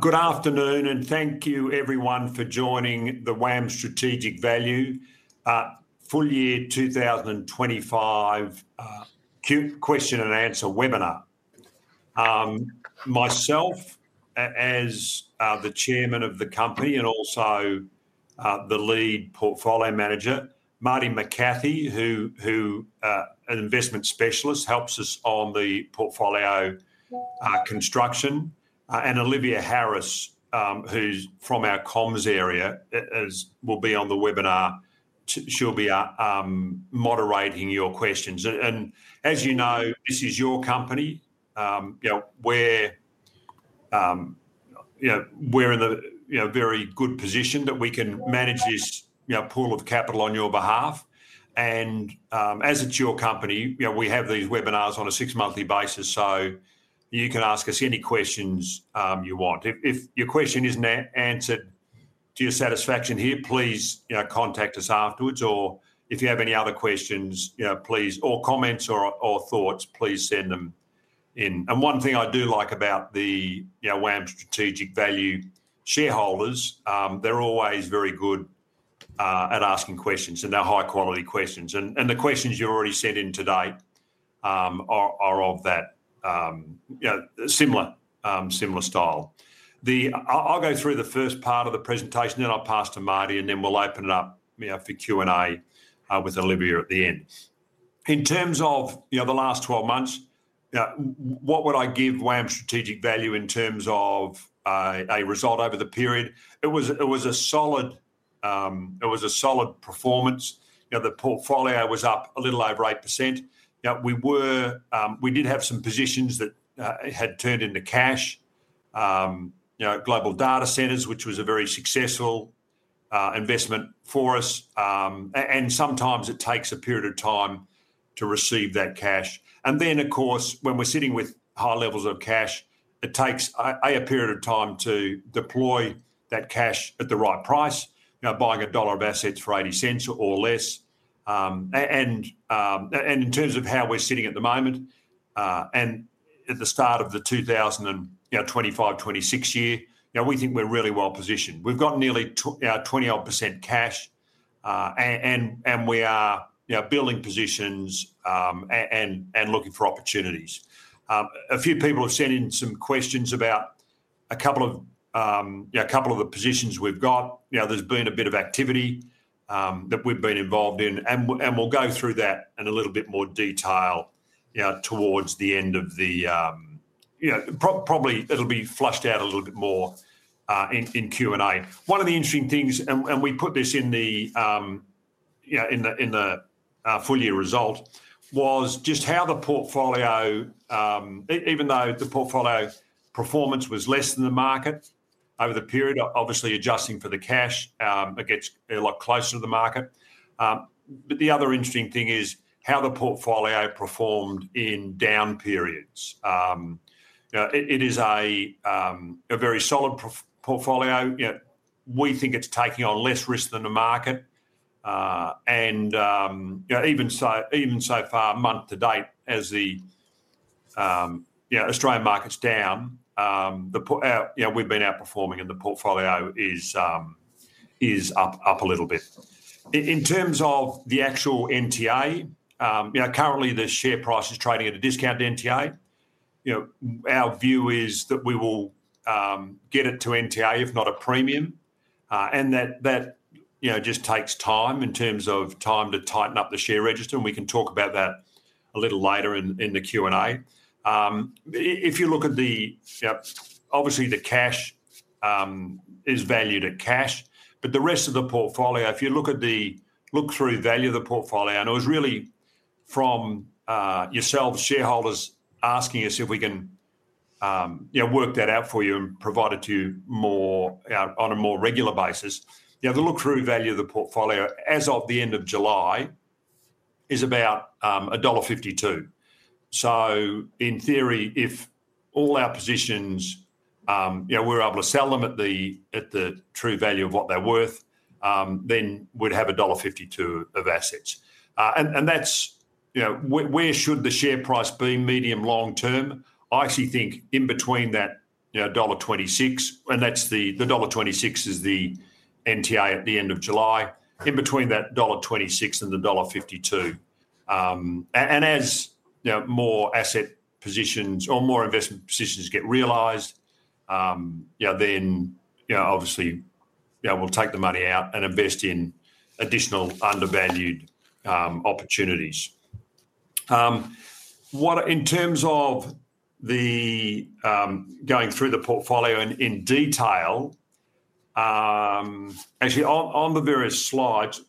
Good afternoon and thank you, everyone, for joining the WAM Strategic Value Full Year 2025 Q&A Webinar. Myself, as the Chairman of the company and also the lead Portfolio Manager, Marty McCathie, who is an Investment Specialist, helps us on the portfolio construction, and Olivia Harris, who's from our comms area, will be on the webinar. She'll be moderating your questions. As you know, this is your company. We're in a very good position that we can manage this pool of capital on your behalf. As it's your company, we have these webinars on a six-monthly basis, so you can ask us any questions you want. If your question isn't answered to your satisfaction here, please contact us afterwards. If you have any other questions, comments, or thoughts, please send them in. One thing I do like about the WAM Strategic Value shareholders, they're always very good at asking questions, and they're high-quality questions. The questions you've already sent in today are of that similar style. I'll go through the first part of the presentation, then I'll pass to Marty, and then we'll open it up for Q&A with Olivia at the end. In terms of the last 12 months, what would I give WAM Strategic Value in terms of a result over the period? It was a solid performance. The portfolio was up a little over 8%. We did have some positions that had turned into cash, Global Data Centre, which was a very successful investment for us. Sometimes it takes a period of time to receive that cash. When we're sitting with high levels of cash, it takes a period of time to deploy that cash at the right price, buying a dollar of assets for 0.80 or less. In terms of how we're sitting at the moment, and at the start of the 2025-2026 year, we think we're really well positioned. We've got nearly 28% cash, and we are building positions and looking for opportunities. A few people have sent in some questions about a couple of the positions we've got. There's been a bit of activity that we've been involved in, and we'll go through that in a little bit more detail towards the end of the... Probably it'll be flushed out a little bit more in Q&A. One of the interesting things, and we put this in the full-year result, was just how the portfolio, even though the portfolio performance was less than the market over the period, obviously adjusting for the cash, it gets a lot closer to the market. The other interesting thing is how the portfolio performed in down periods. It is a very solid portfolio. We think it's taking on less risk than the market. Even so far, month to date, as the Australian market's down, we've been outperforming and the portfolio is up a little bit. In terms of the actual NTA, currently the share price is trading at a discount to NTA. Our view is that we will get it to NTA if not a premium. That just takes time in terms of time to tighten up the share register, and we can talk about that a little later in the Q&A. If you look at the cash, it is valued at cash, but the rest of the portfolio, if you look at the look-through value of the portfolio, and it was really from yourselves, shareholders, asking us if we can work that out for you and provide it to you on a more regular basis. The look-through value of the portfolio as of the end of July is about dollar 1.52. In theory, if all our positions, you know, we're able to sell them at the true value of what they're worth, then we'd have dollar 1.52 of assets. Where should the share price be medium-long term? I actually think in between that dollar 1.26, and that's the dollar 1.26 is the NTA at the end of July, in between that dollar 1.26 and the dollar 1.52. As more asset positions or more investment positions get realized, then obviously, yeah, we'll take the money out and invest in additional undervalued opportunities. In terms of going through the portfolio in detail, actually on the various slides,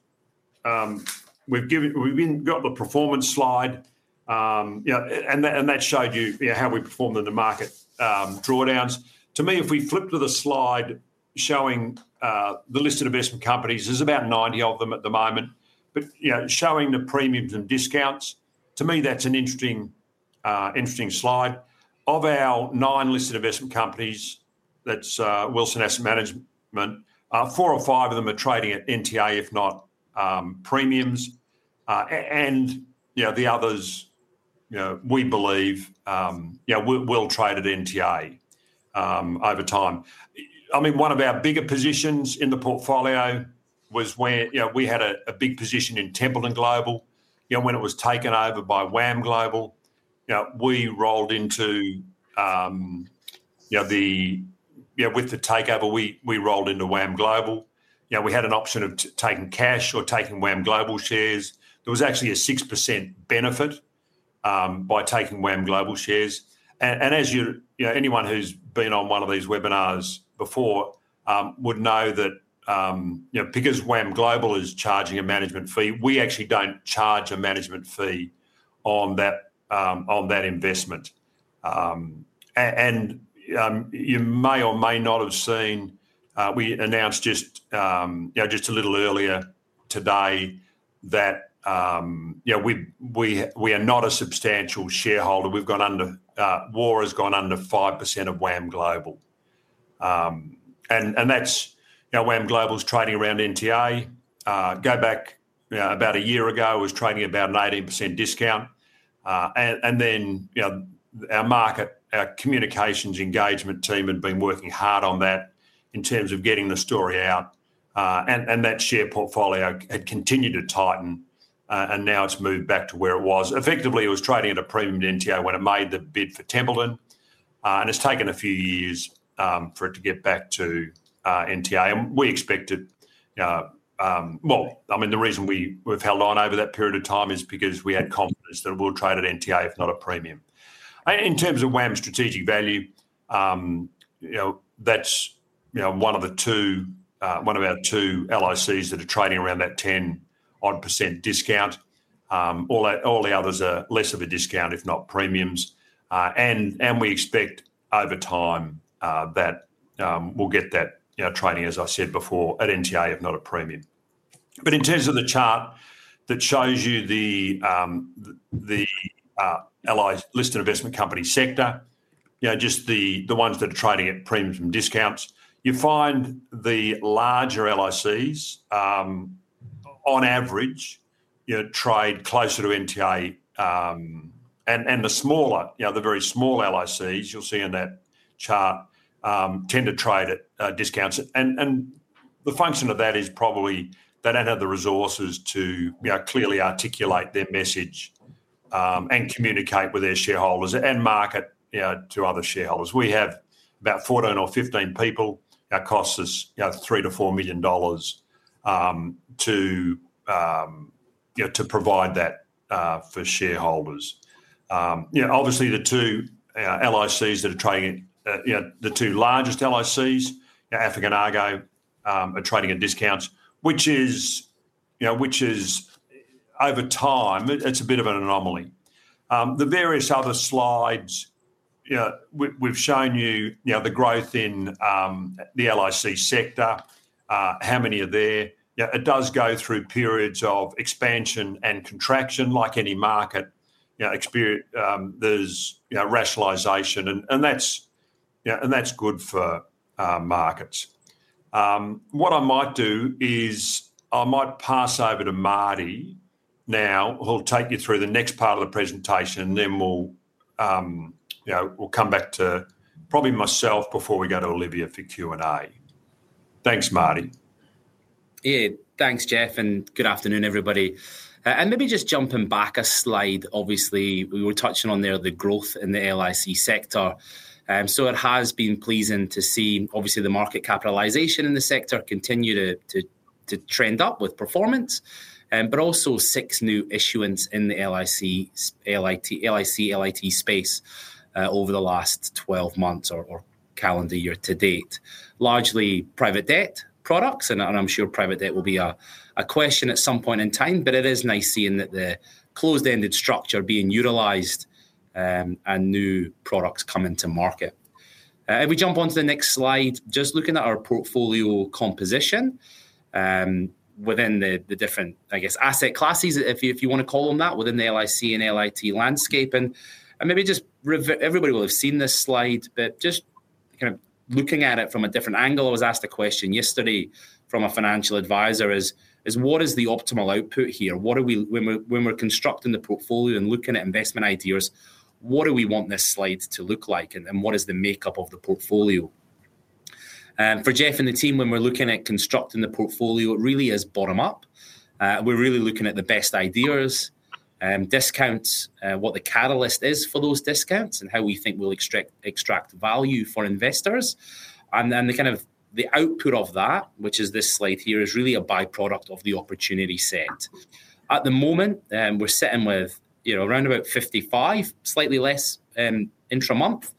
we've even got the performance slide, and that showed you how we performed in the market drawdowns. To me, if we flip to the slide showing the listed investment companies, there's about 90 of them at the moment, but showing the premiums and discounts, to me, that's an interesting slide. Of our nine listed investment companies, that's Wilson Asset Management, four or five of them are trading at NTA, if not premiums. The others, we believe will trade at NTA over time. One of our bigger positions in the portfolio was when we had a big position in Templeton Global. When it was taken over by WAM Global, we rolled into, with the takeover, we rolled into WAM Global. We had an option of taking cash or taking WAM Global shares. There was actually a 6% benefit by taking WAM Global shares. As you know, anyone who's been on one of these webinars before would know that because WAM Global is charging a management fee, we actually don't charge a management fee on that investment. You may or may not have seen, we announced just a little earlier today that we are not a substantial shareholder. We've gone under... WAM Strategic Value has gone under 5% of WAM Global. WAM Global's trading around NTA. Go back about a year ago, it was trading about an 18% discount. Our communications engagement team had been working hard on that in terms of getting the story out. That share portfolio had continued to tighten, and now it's moved back to where it was. Effectively, it was trading at a premium NTA when it made the bid for Templeton. It's taken a few years for it to get back to NTA, and we expect it more. The reason we've held on over that period of time is because we had confidence that we'll trade at NTA if not a premium. In terms of WAM Strategic Value, that's one of our two LICs that are trading around that 10% odd discount. All the others are less of a discount if not premiums. We expect over time that we'll get that trading, as I said before, at NTA if not a premium. In terms of the chart that shows you the listed investment company sector, just the ones that are trading at premiums and discounts, you find the larger LICs on average trade closer to NTA. The very small LICs you'll see in that chart tend to trade at discounts. The function of that is probably they don't have the resources to clearly articulate their message and communicate with their shareholders and market to other shareholders. We have about 14 or 15 people. Our cost is 3 million- 4 million dollars to provide that for shareholders. Obviously, the two LICs that are trading at, the two largest LICs, AFIC and Argo, are trading at discounts, which is over time, it's a bit of an anomaly. The various other slides, we've shown you the growth in the LIC sector, how many are there. It does go through periods of expansion and contraction like any market. There's rationalization, and that's good for markets. What I might do is pass over to Marty now, who'll take you through the next part of the presentation, and then we'll come back to probably myself before we go to Olivia for Q&A. Thanks, Marty. Yeah, thanks, Geoff, and good afternoon, everybody. Maybe just jumping back a slide, obviously we were touching on there the growth in the LIC sector. It has been pleasing to see, obviously, the market capitalization in the sector continue to trend up with performance, but also six new issuance in the LIC, LIT space over the last 12 months or calendar year to date. Largely private debt products, and I'm sure private debt will be a question at some point in time. It is nice seeing that the closed-ended structure being utilized and new products coming to market. If we jump onto the next slide, just looking at our portfolio composition within the different, I guess, asset classes, if you want to call them that, within the LIC and LIT landscape. Maybe just everybody will have seen this slide, but just kind of looking at it from a different angle, I was asked a question yesterday from a financial advisor: what is the optimal output here? When we're constructing the portfolio and looking at investment ideas, what do we want this slide to look like, and what is the makeup of the portfolio? For Geoff and the team, when we're looking at constructing the portfolio, it really is bottom-up. We're really looking at the best ideas, discounts, what the catalyst is for those discounts, and how we think we'll extract value for investors. The output of that, which is this slide here, is really a byproduct of the opportunity set. At the moment, we're sitting with around about 55%, slightly less, intra-month.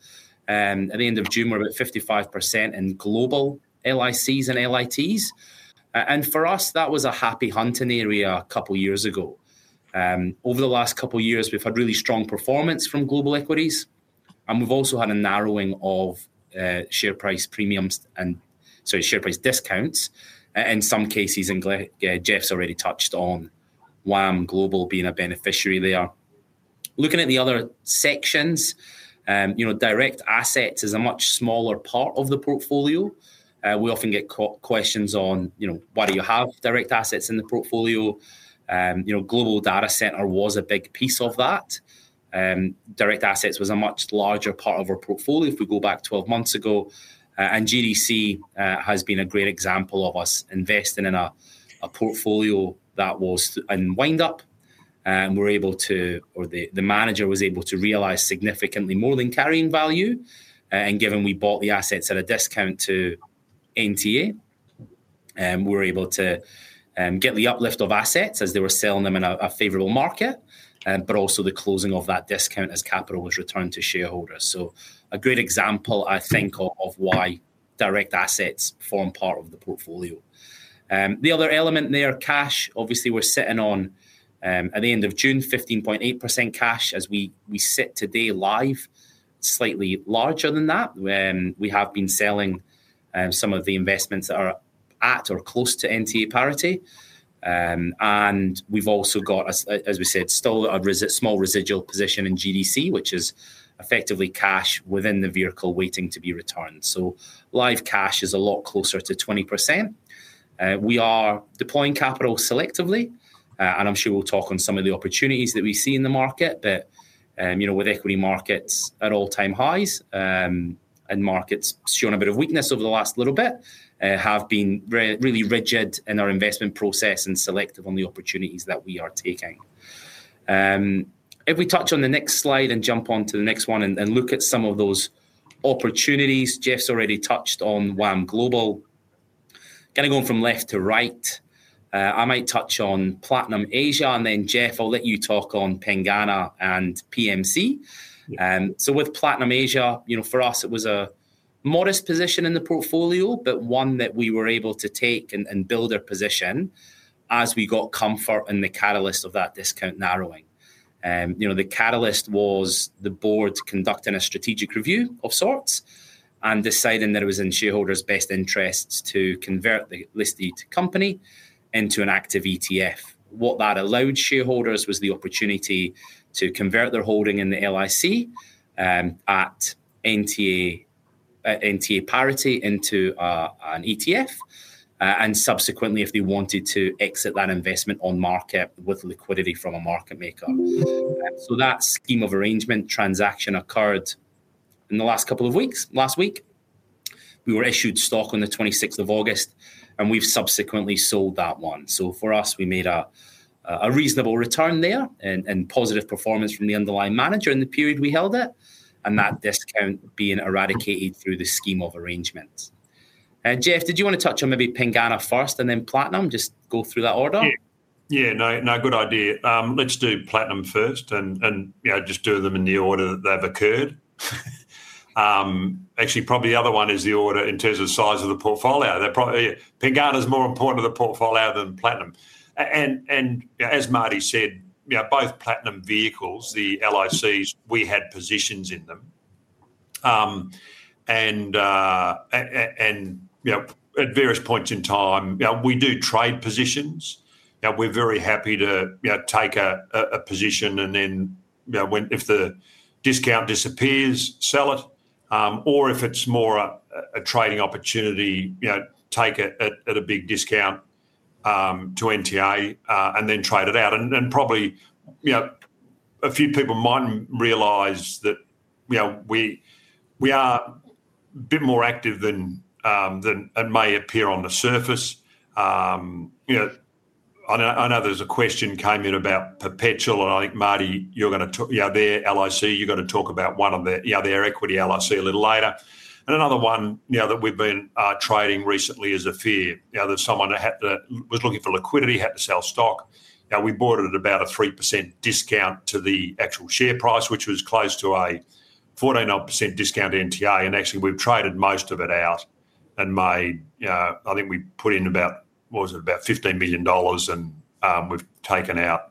At the end of June, we're about 55% in global LICs and LITs. For us, that was a happy hunting area a couple of years ago. Over the last couple of years, we've had really strong performance from global equities, and we've also had a narrowing of share price premiums and share price discounts in some cases. Geoff's already touched on WAM Global being a beneficiary there. Looking at the other sections, direct assets is a much smaller part of the portfolio. We often get questions on why do you have direct assets in the portfolio. Global Data Centre was a big piece of that. Direct assets was a much larger part of our portfolio if we go back 12 months ago. GDC has been a great example of us investing in a portfolio that was in windup. We're able to, or the manager was able to, realize significantly more than carrying value. Given we bought the assets at a discount to NTA, we were able to get the uplift of assets as they were selling them in a favorable market, but also the closing of that discount as capital was returned to shareholders. A good example, I think, of why direct assets form part of the portfolio. The other element there, cash, obviously we're sitting on at the end of June, 15.8% cash. As we sit today live, slightly larger than that. We have been selling some of the investments that are at or close to NTA parity. We've also got, as we said, still a small residual position in GDC, which is effectively cash within the vehicle waiting to be returned. Live cash is a lot closer to 20%. We are deploying capital selectively, and I'm sure we'll talk on some of the opportunities that we see in the market. With equity markets at all-time highs and markets showing a bit of weakness over the last little bit, have been really rigid in our investment process and selective on the opportunities that we are taking. If we touch on the next slide and jump onto the next one and look at some of those opportunities, Geoff's already touched on WAM Global. Kind of going from left to right, I might touch on Platinum Asia, and then Geoff, I'll let you talk on Pengana and Platinum Capital. With Platinum Asia, for us, it was a modest position in the portfolio, but one that we were able to take and build our position as we got comfort in the catalyst of that discount narrowing. The catalyst was the board conducting a strategic review of sorts and deciding that it was in shareholders' best interests to convert the listed company into an active ETF. What that allowed shareholders was the opportunity to convert their holding in the listed investment company at NTA parity into an ETF, and subsequently, if they wanted to exit that investment on market with liquidity from a market maker. That scheme of arrangement transaction occurred in the last couple of weeks, last week. We were issued stock on the 26th of August, and we've subsequently sold that one. For us, we made a reasonable return there and positive performance from the underlying manager in the period we held it, and that discount being eradicated through the scheme of arrangements. Geoff, did you want to touch on maybe Pengana first and then Platinum? Just go through that order? Yeah, no, good idea. Let's do Platinum first and just do them in the order that they've occurred. Actually, probably the other one is the order in terms of the size of the portfolio. Pengana is more important to the portfolio than Platinum. As Marty said, both Platinum vehicles, the listed investment companies, we had positions in them. At various points in time, we do trade positions. We're very happy to take a position and then, if the discount disappears, sell it, or if it's more a trading opportunity, take it at a big discount to NTA and then trade it out. Probably a few people might realize that we are a bit more active than it may appear on the surface. I know there's a question that came in about Perpetual, and I think Marty, you're going to talk about their listed investment company, you're going to talk about one of their equity listed investment companies a little later. Another one that we've been trading recently is Affear. There's someone that was looking for liquidity, had to sell stock. We bought it at about a 3% discount to the actual share price, which was close to a 14% discount to NTA. Actually, we've traded most of it out and made, I think we put in about 15 million dollars and we've taken out,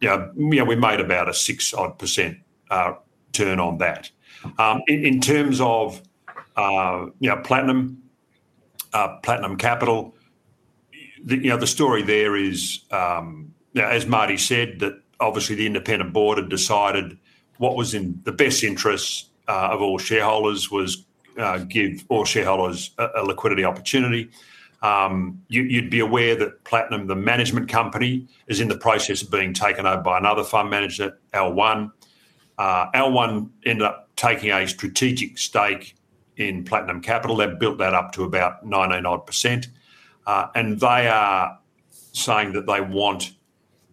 yeah, we made about a 6% turn on that. In terms of Platinum, Platinum Capital, the story there is, as Marty said, that obviously the independent board had decided what was in the best interests of all shareholders was to give all shareholders a liquidity opportunity. You'd be aware that Platinum, the management company, is in the process of being taken over by another fund management company, L1. L1 ended up taking a strategic stake in Platinum Capital. They've built that up to about 99%. They are saying that they want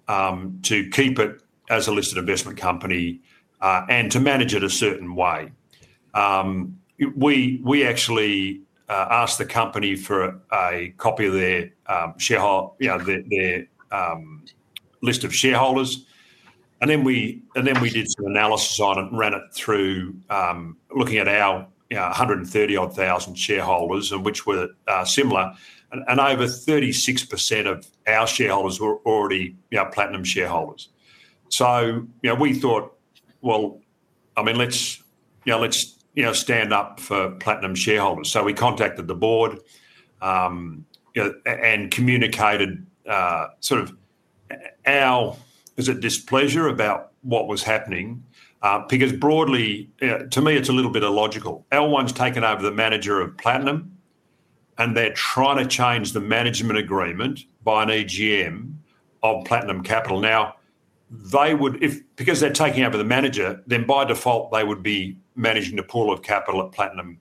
to keep it as a listed investment company and to manage it a certain way. We actually asked the company for a copy of their list of shareholders. Then we did some analysis on it and ran it through looking at our 130,000 odd shareholders, which were similar. Over 36% of our shareholders were already Platinum shareholders. We thought, let's stand up for Platinum shareholders. We contacted the board and communicated our displeasure about what was happening. Broadly, to me, it's a little bit illogical. L1's taken over the manager of Platinum, and they're trying to change the management agreement by an AGM of Platinum Capital. Now, because they're taking over the manager, then by default, they would be managing the pool of capital that Platinum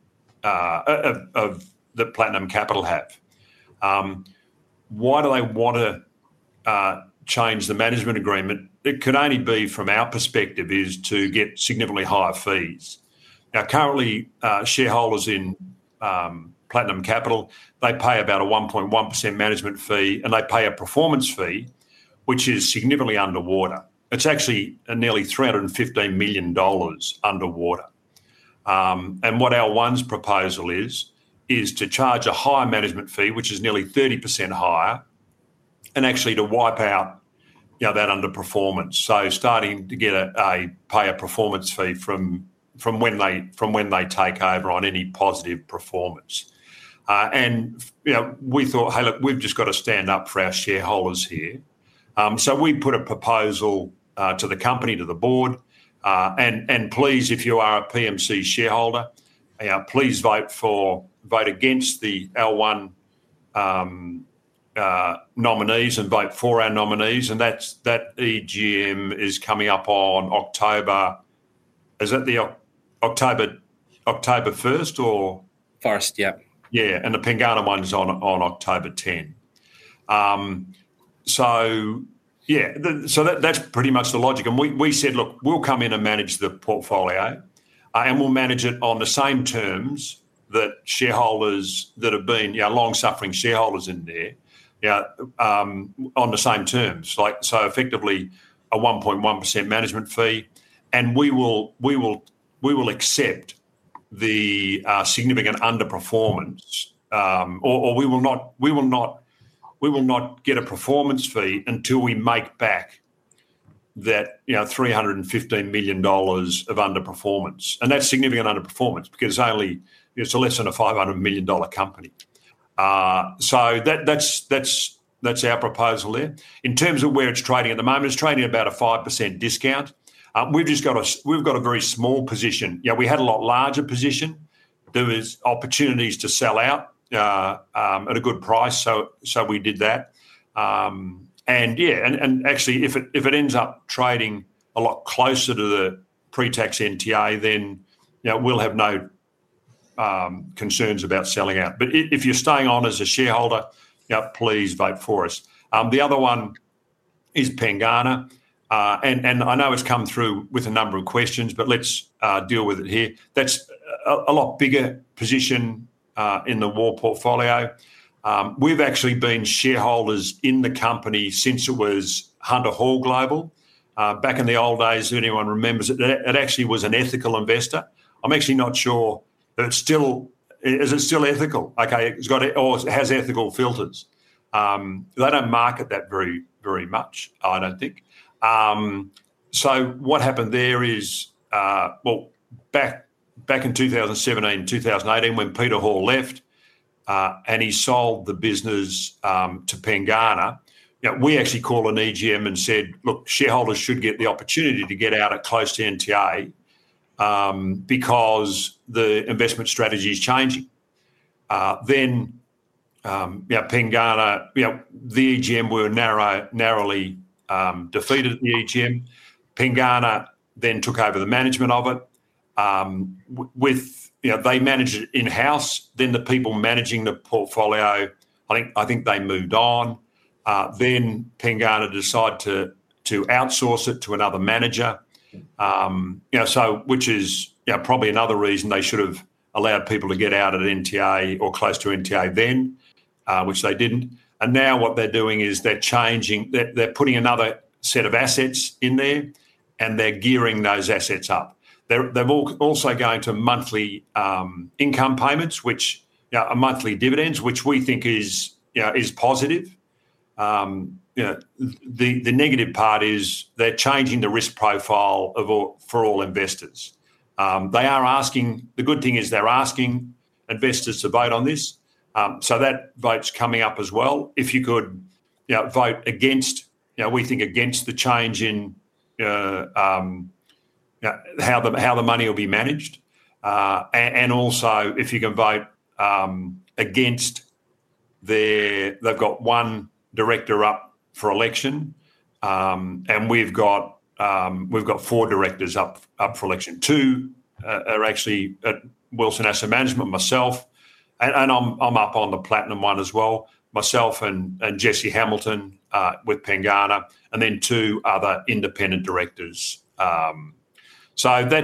Capital have. Why do they want to change the management agreement? It could only be, from our perspective, to get significantly higher fees. Now, currently, shareholders in Platinum Capital, they pay about a 1.1% management fee, and they pay a performance fee, which is significantly underwater. It's actually nearly 315 million dollars underwater. What L1's proposal is, is to charge a higher management fee, which is nearly 30% higher, and actually to wipe out that underperformance. Starting to get a payer performance fee from when they take over on any positive performance. We thought, hey, look, we've just got to stand up for our shareholders here. We put a proposal to the company, to the board, and please, if you are a PMC shareholder, please vote for, vote against the L1 nominees and vote for our nominees. That AGM is coming up on October. Is it the October 1st or? 1st, yeah. Yeah, and the Pengana one is on October 10. That's pretty much the logic. We said, look, we'll come in and manage the portfolio, and we'll manage it on the same terms that shareholders that have been long-suffering shareholders in there, on the same terms. Effectively, a 1.1% management fee. We will accept the significant underperformance, or we will not get a performance fee until we make back that 315 million dollars of underperformance. That's significant underperformance because it's less than a 500 million dollar company. That's our proposal there. In terms of where it's trading at the moment, it's trading at about a 5% discount. We've just got a very small position. We had a lot larger position. There were opportunities to sell out at a good price, so we did that. Actually, if it ends up trading a lot closer to the pre-tax NTA, then we'll have no concerns about selling out. If you're staying on as a shareholder, please vote for us. The other one is Pengana. I know it's come through with a number of questions, but let's deal with it here. That's a lot bigger position in the WAM portfolio. We've actually been shareholders in the company since it was Hunter Hall Global. Back in the old days, if anyone remembers it, it actually was an ethical investor. I'm actually not sure if it's still, is it still ethical? Okay, it's got it, or it has ethical filters. They don't market that very, very much, I don't think. What happened there is, back in 2017, 2018, when Peter Hall left and he sold the business to Pengana, we actually called an AGM and said, look, shareholders should get the opportunity to get out at close to NTA because the investment strategy is changing. The AGM was narrowly defeated. Pengana then took over the management of it. They managed it in-house. The people managing the portfolio, I think they moved on. Pengana decided to outsource it to another manager, which is probably another reason they should have allowed people to get out at NTA or close to NTA then, which they didn't. Now what they're doing is they're changing, they're putting another set of assets in there, and they're gearing those assets up. They're also going to monthly income payments, which are monthly dividends, which we think is positive. The negative part is they're changing the risk profile for all investors. They are asking, the good thing is they're asking investors to vote on this. That vote's coming up as well. If you could vote against, we think against the change in how the money will be managed. Also, if you can vote against, they've got one director up for election. We've got four directors up for election. Two are actually at Wilson Asset Management, myself, and I'm up on the Platinum one as well, myself and Jesse Hamilton with Pengana, and then two other independent directors. Things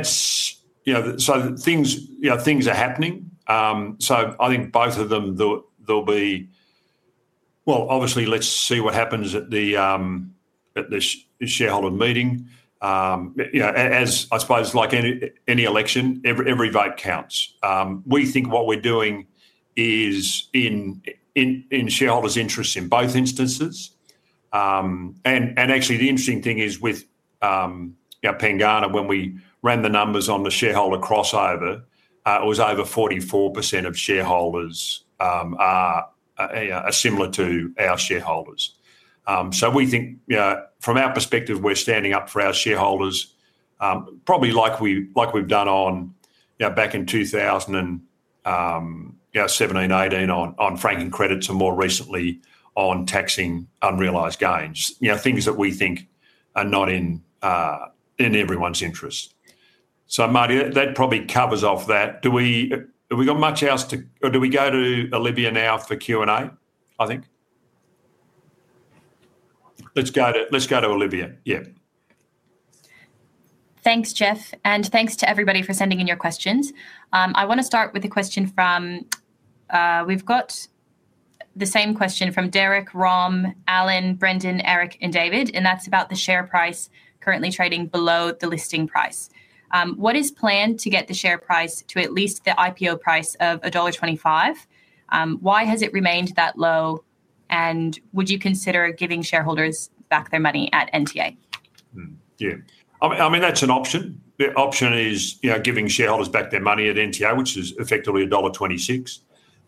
are happening. I think both of them, there'll be, obviously, let's see what happens at the shareholder meeting. I suppose, like any election, every vote counts. We think what we're doing is in shareholders' interests in both instances. Actually, the interesting thing is with Pengana, when we ran the numbers on the shareholder crossover, it was over 44% of shareholders are similar to our shareholders. We think, from our perspective, we're standing up for our shareholders, probably like we've done back in 2017, 2018, on franking credits and more recently on taxing unrealized gains, things that we think are not in everyone's interest. Marty, that probably covers off that. Do we have much else to, or do we go to Olivia now for Q&A, I think? Let's go to Olivia. Yeah. Thanks, Geoff, and thanks to everybody for sending in your questions. I want to start with a question from, we've got the same question from Derek, Rom, Alan, Brendan, Eric, and David, and that's about the share price currently trading below the listing price. What is planned to get the share price to at least the IPO price of dollar 1.25? Why has it remained that low, and would you consider giving shareholders back their money at NTA? Yeah, I mean, that's an option. The option is giving shareholders back their money at NTA, which is effectively dollar 1.26.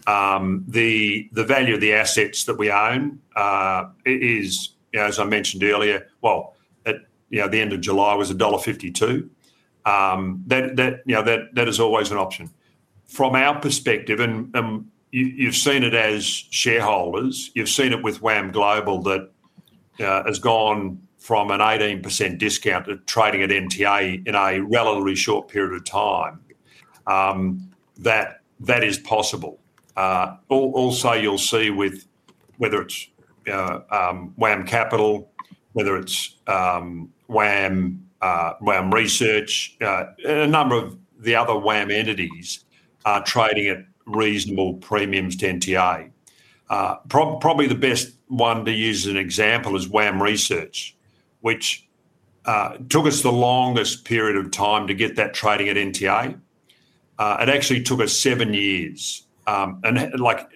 The value of the assets that we own is, as I mentioned earlier, at the end of July was dollar 1.52. That is always an option. From our perspective, and you've seen it as shareholders, you've seen it with WAM Global that has gone from an 18% discount at trading at NTA in a relatively short period of time. That is possible. Also, you'll see with whether it's WAM Capital, whether it's WAM Research, a number of the other WAM entities are trading at reasonable premiums to NTA. Probably the best one to use as an example is WAM Research, which took us the longest period of time to get that trading at NTA. It actually took us seven years. Why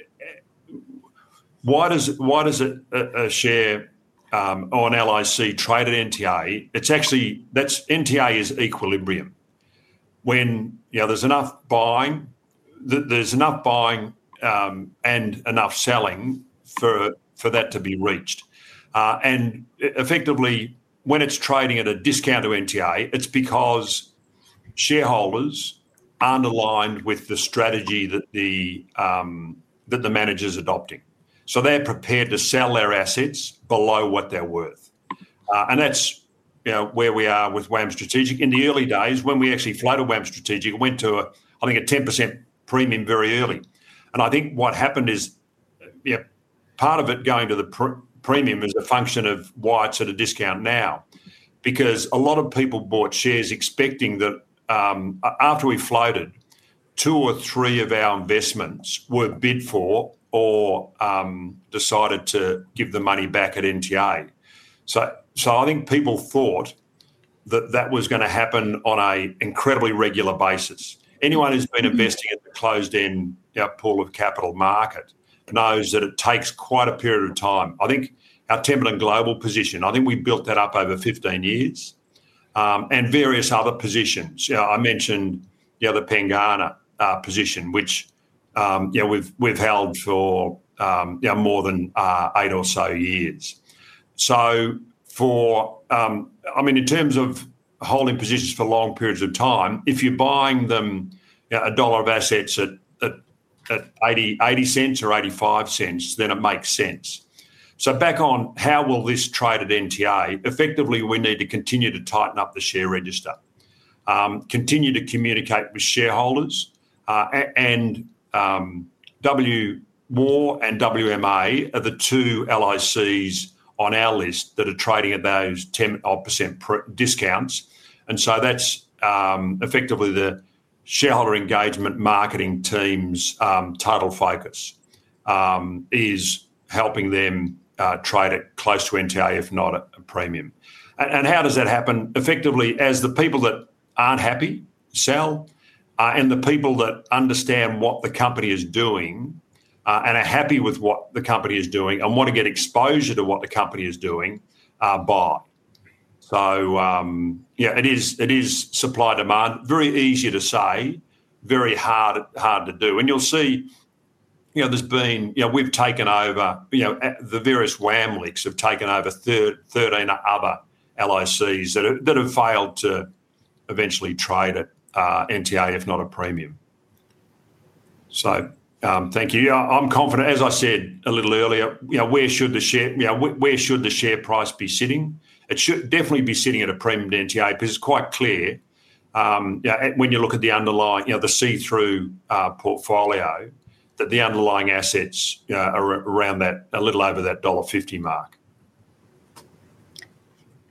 does a share or an LIC trade at NTA? NTA is equilibrium. When there's enough buying and enough selling for that to be reached. Effectively, when it's trading at a discount of NTA, it's because shareholders are underlined with the strategy that the manager's adopting. They're prepared to sell their assets below what they're worth. That's where we are with WAM Strategic. In the early days, when we actually floated WAM Strategic, it went to, I think, a 10% premium very early. I think what happened is part of it going to the premium is a function of why it's at a discount now. A lot of people bought shares expecting that after we floated, two or three of our investments were bid for or decided to give the money back at NTA. I think people thought that that was going to happen on an incredibly regular basis. Anyone who's been investing at the closed-end pool of capital market knows that it takes quite a period of time. I think our Templeton Global position, I think we built that up over 15 years. Various other positions, I mentioned the Pengana position, which we've held for more than eight or so years. In terms of holding positions for long periods of time, if you're buying them a dollar of assets at 0.80 or 0.85, then it makes sense. Back on how will this trade at NTA, effectively, we need to continue to tighten up the share register, continue to communicate with shareholders. WAR and WMI are the two LICs on our list that are trading at those 10% odd discounts. That's effectively the shareholder engagement marketing team's total focus, helping them trade at close to NTA, if not at a premium. How does that happen? Effectively, as the people that aren't happy sell, and the people that understand what the company is doing and are happy with what the company is doing and want to get exposure to what the company is doing, buy. It is supply-demand, very easy to say, very hard to do. You'll see, the various WAM LICs have taken over 13 other listed investment companies that have failed to eventually trade at NTA, if not a premium. Thank you. I'm confident, as I said a little earlier, where should the share price be sitting? It should definitely be sitting at a premium to NTA because it's quite clear. When you look at the underlying, the see-through portfolio, the underlying assets are around that, a little over that dollar 1.50 mark.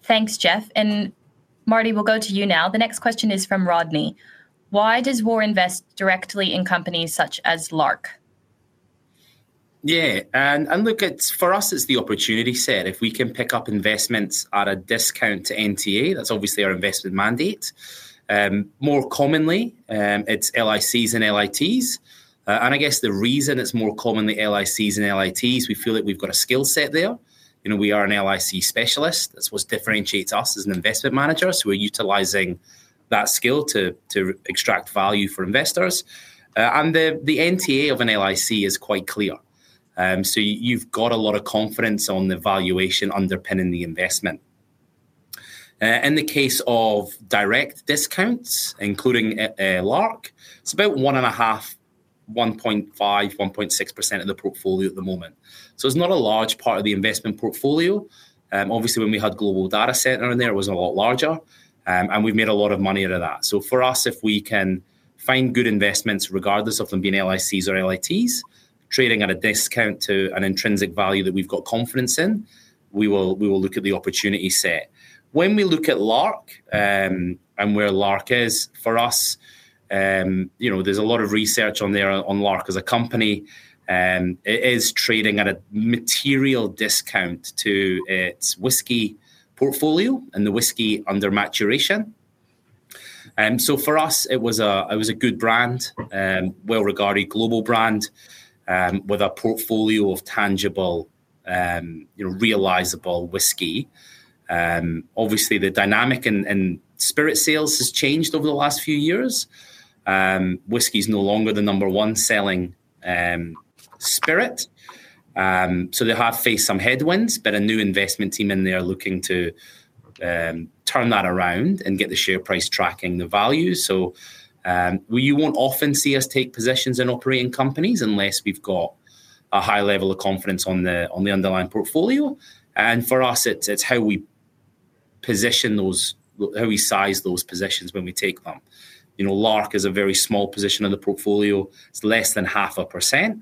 Thanks, Geoff. Marty, we'll go to you now. The next question is from Rodney. Why does WAR invest directly in companies such as Lark? Yeah, and look, for us, it's the opportunity set. If we can pick up investments at a discount to NTA, that's obviously our investment mandate. More commonly, it's LICs and LITs. I guess the reason it's more commonly LICs and LITs, we feel like we've got a skill set there. You know, we are an LIC specialist. That's what differentiates us as an investment manager. We are utilizing that skill to extract value for investors. The NTA of an LIC is quite clear, so you've got a lot of confidence on the valuation underpinning the investment. In the case of direct discounts, including Lark, it's about 1.5%- 1.6% of the portfolio at the moment. It's not a large part of the investment portfolio. Obviously, when we had Global Data Centre in there, it was a lot larger, and we've made a lot of money out of that. For us, if we can find good investments, regardless of them being LICs or LITs, trading at a discount to an intrinsic value that we've got confidence in, we will look at the opportunity set. When we look at Lark and where Lark is for us, you know, there's a lot of research on there on Lark as a company. It is trading at a material discount to its whisky portfolio and the whisky under maturation. For us, it was a good brand, a well-regarded global brand with a portfolio of tangible, realizable whisky. Obviously, the dynamic in spirit sales has changed over the last few years. Whisky is no longer the number one selling spirit. They have faced some headwinds, but a new investment team in there looking to turn that around and get the share price tracking the value. You won't often see us take positions in operating companies unless we've got a high level of confidence on the underlying portfolio. For us, it's how we position those, how we size those positions when we take them. Lark is a very small position of the portfolio. It's less than 0.5%.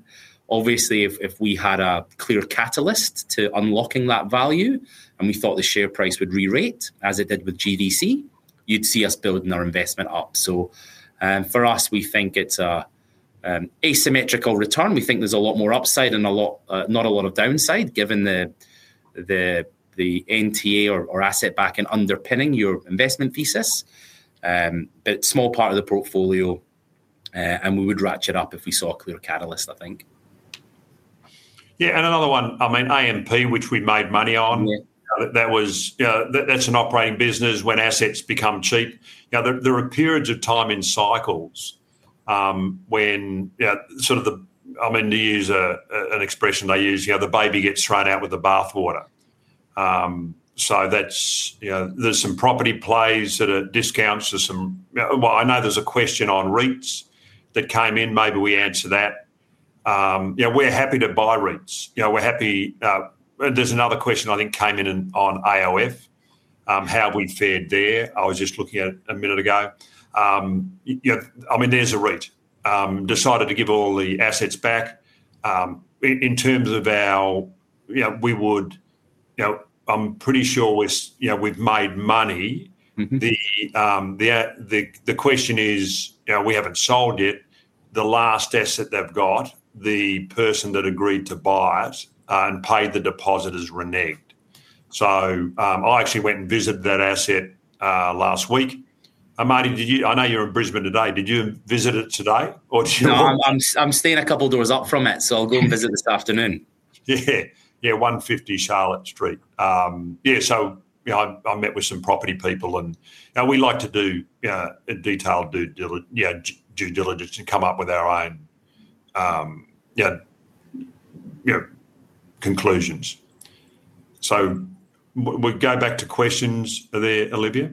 Obviously, if we had a clear catalyst to unlocking that value and we thought the share price would re-rate as it did with GDC, you'd see us building our investment up. For us, we think it's an asymmetrical return. We think there's a lot more upside and not a lot of downside given the NTA or asset backing underpinning your investment thesis. It's a small part of the portfolio, and we would ratchet up if we saw a clear catalyst, I think. Yeah, and another one, I mean, IMP, which we made money on. That's an operating business when assets become cheap. There are periods of time in cycles when, to use an expression they use, the baby gets thrown out with the bathwater. There are some property plays that are discounts to some, I know there's a question on REITs that came in. Maybe we answer that. Yeah, we're happy to buy REITs. Yeah, we're happy. There's another question I think came in on AOF, how we fared there. I was just looking at it a minute ago. There's a REIT. Decided to give all the assets back. In terms of our, you know, I'm pretty sure we've made money. The question is, we haven't sold yet. The last asset they've got, the person that agreed to buy it and paid the deposit has reneged. I actually went and visited that asset last week. Marty, I know you're in Brisbane today. Did you visit it today? I'm staying a couple of doors up from it, so I'll go and visit this afternoon. Yeah, 150 Charlotte Street. I met with some property people, and we like to do detailed due diligence and come up with our own conclusions. We go back to questions there, Olivia.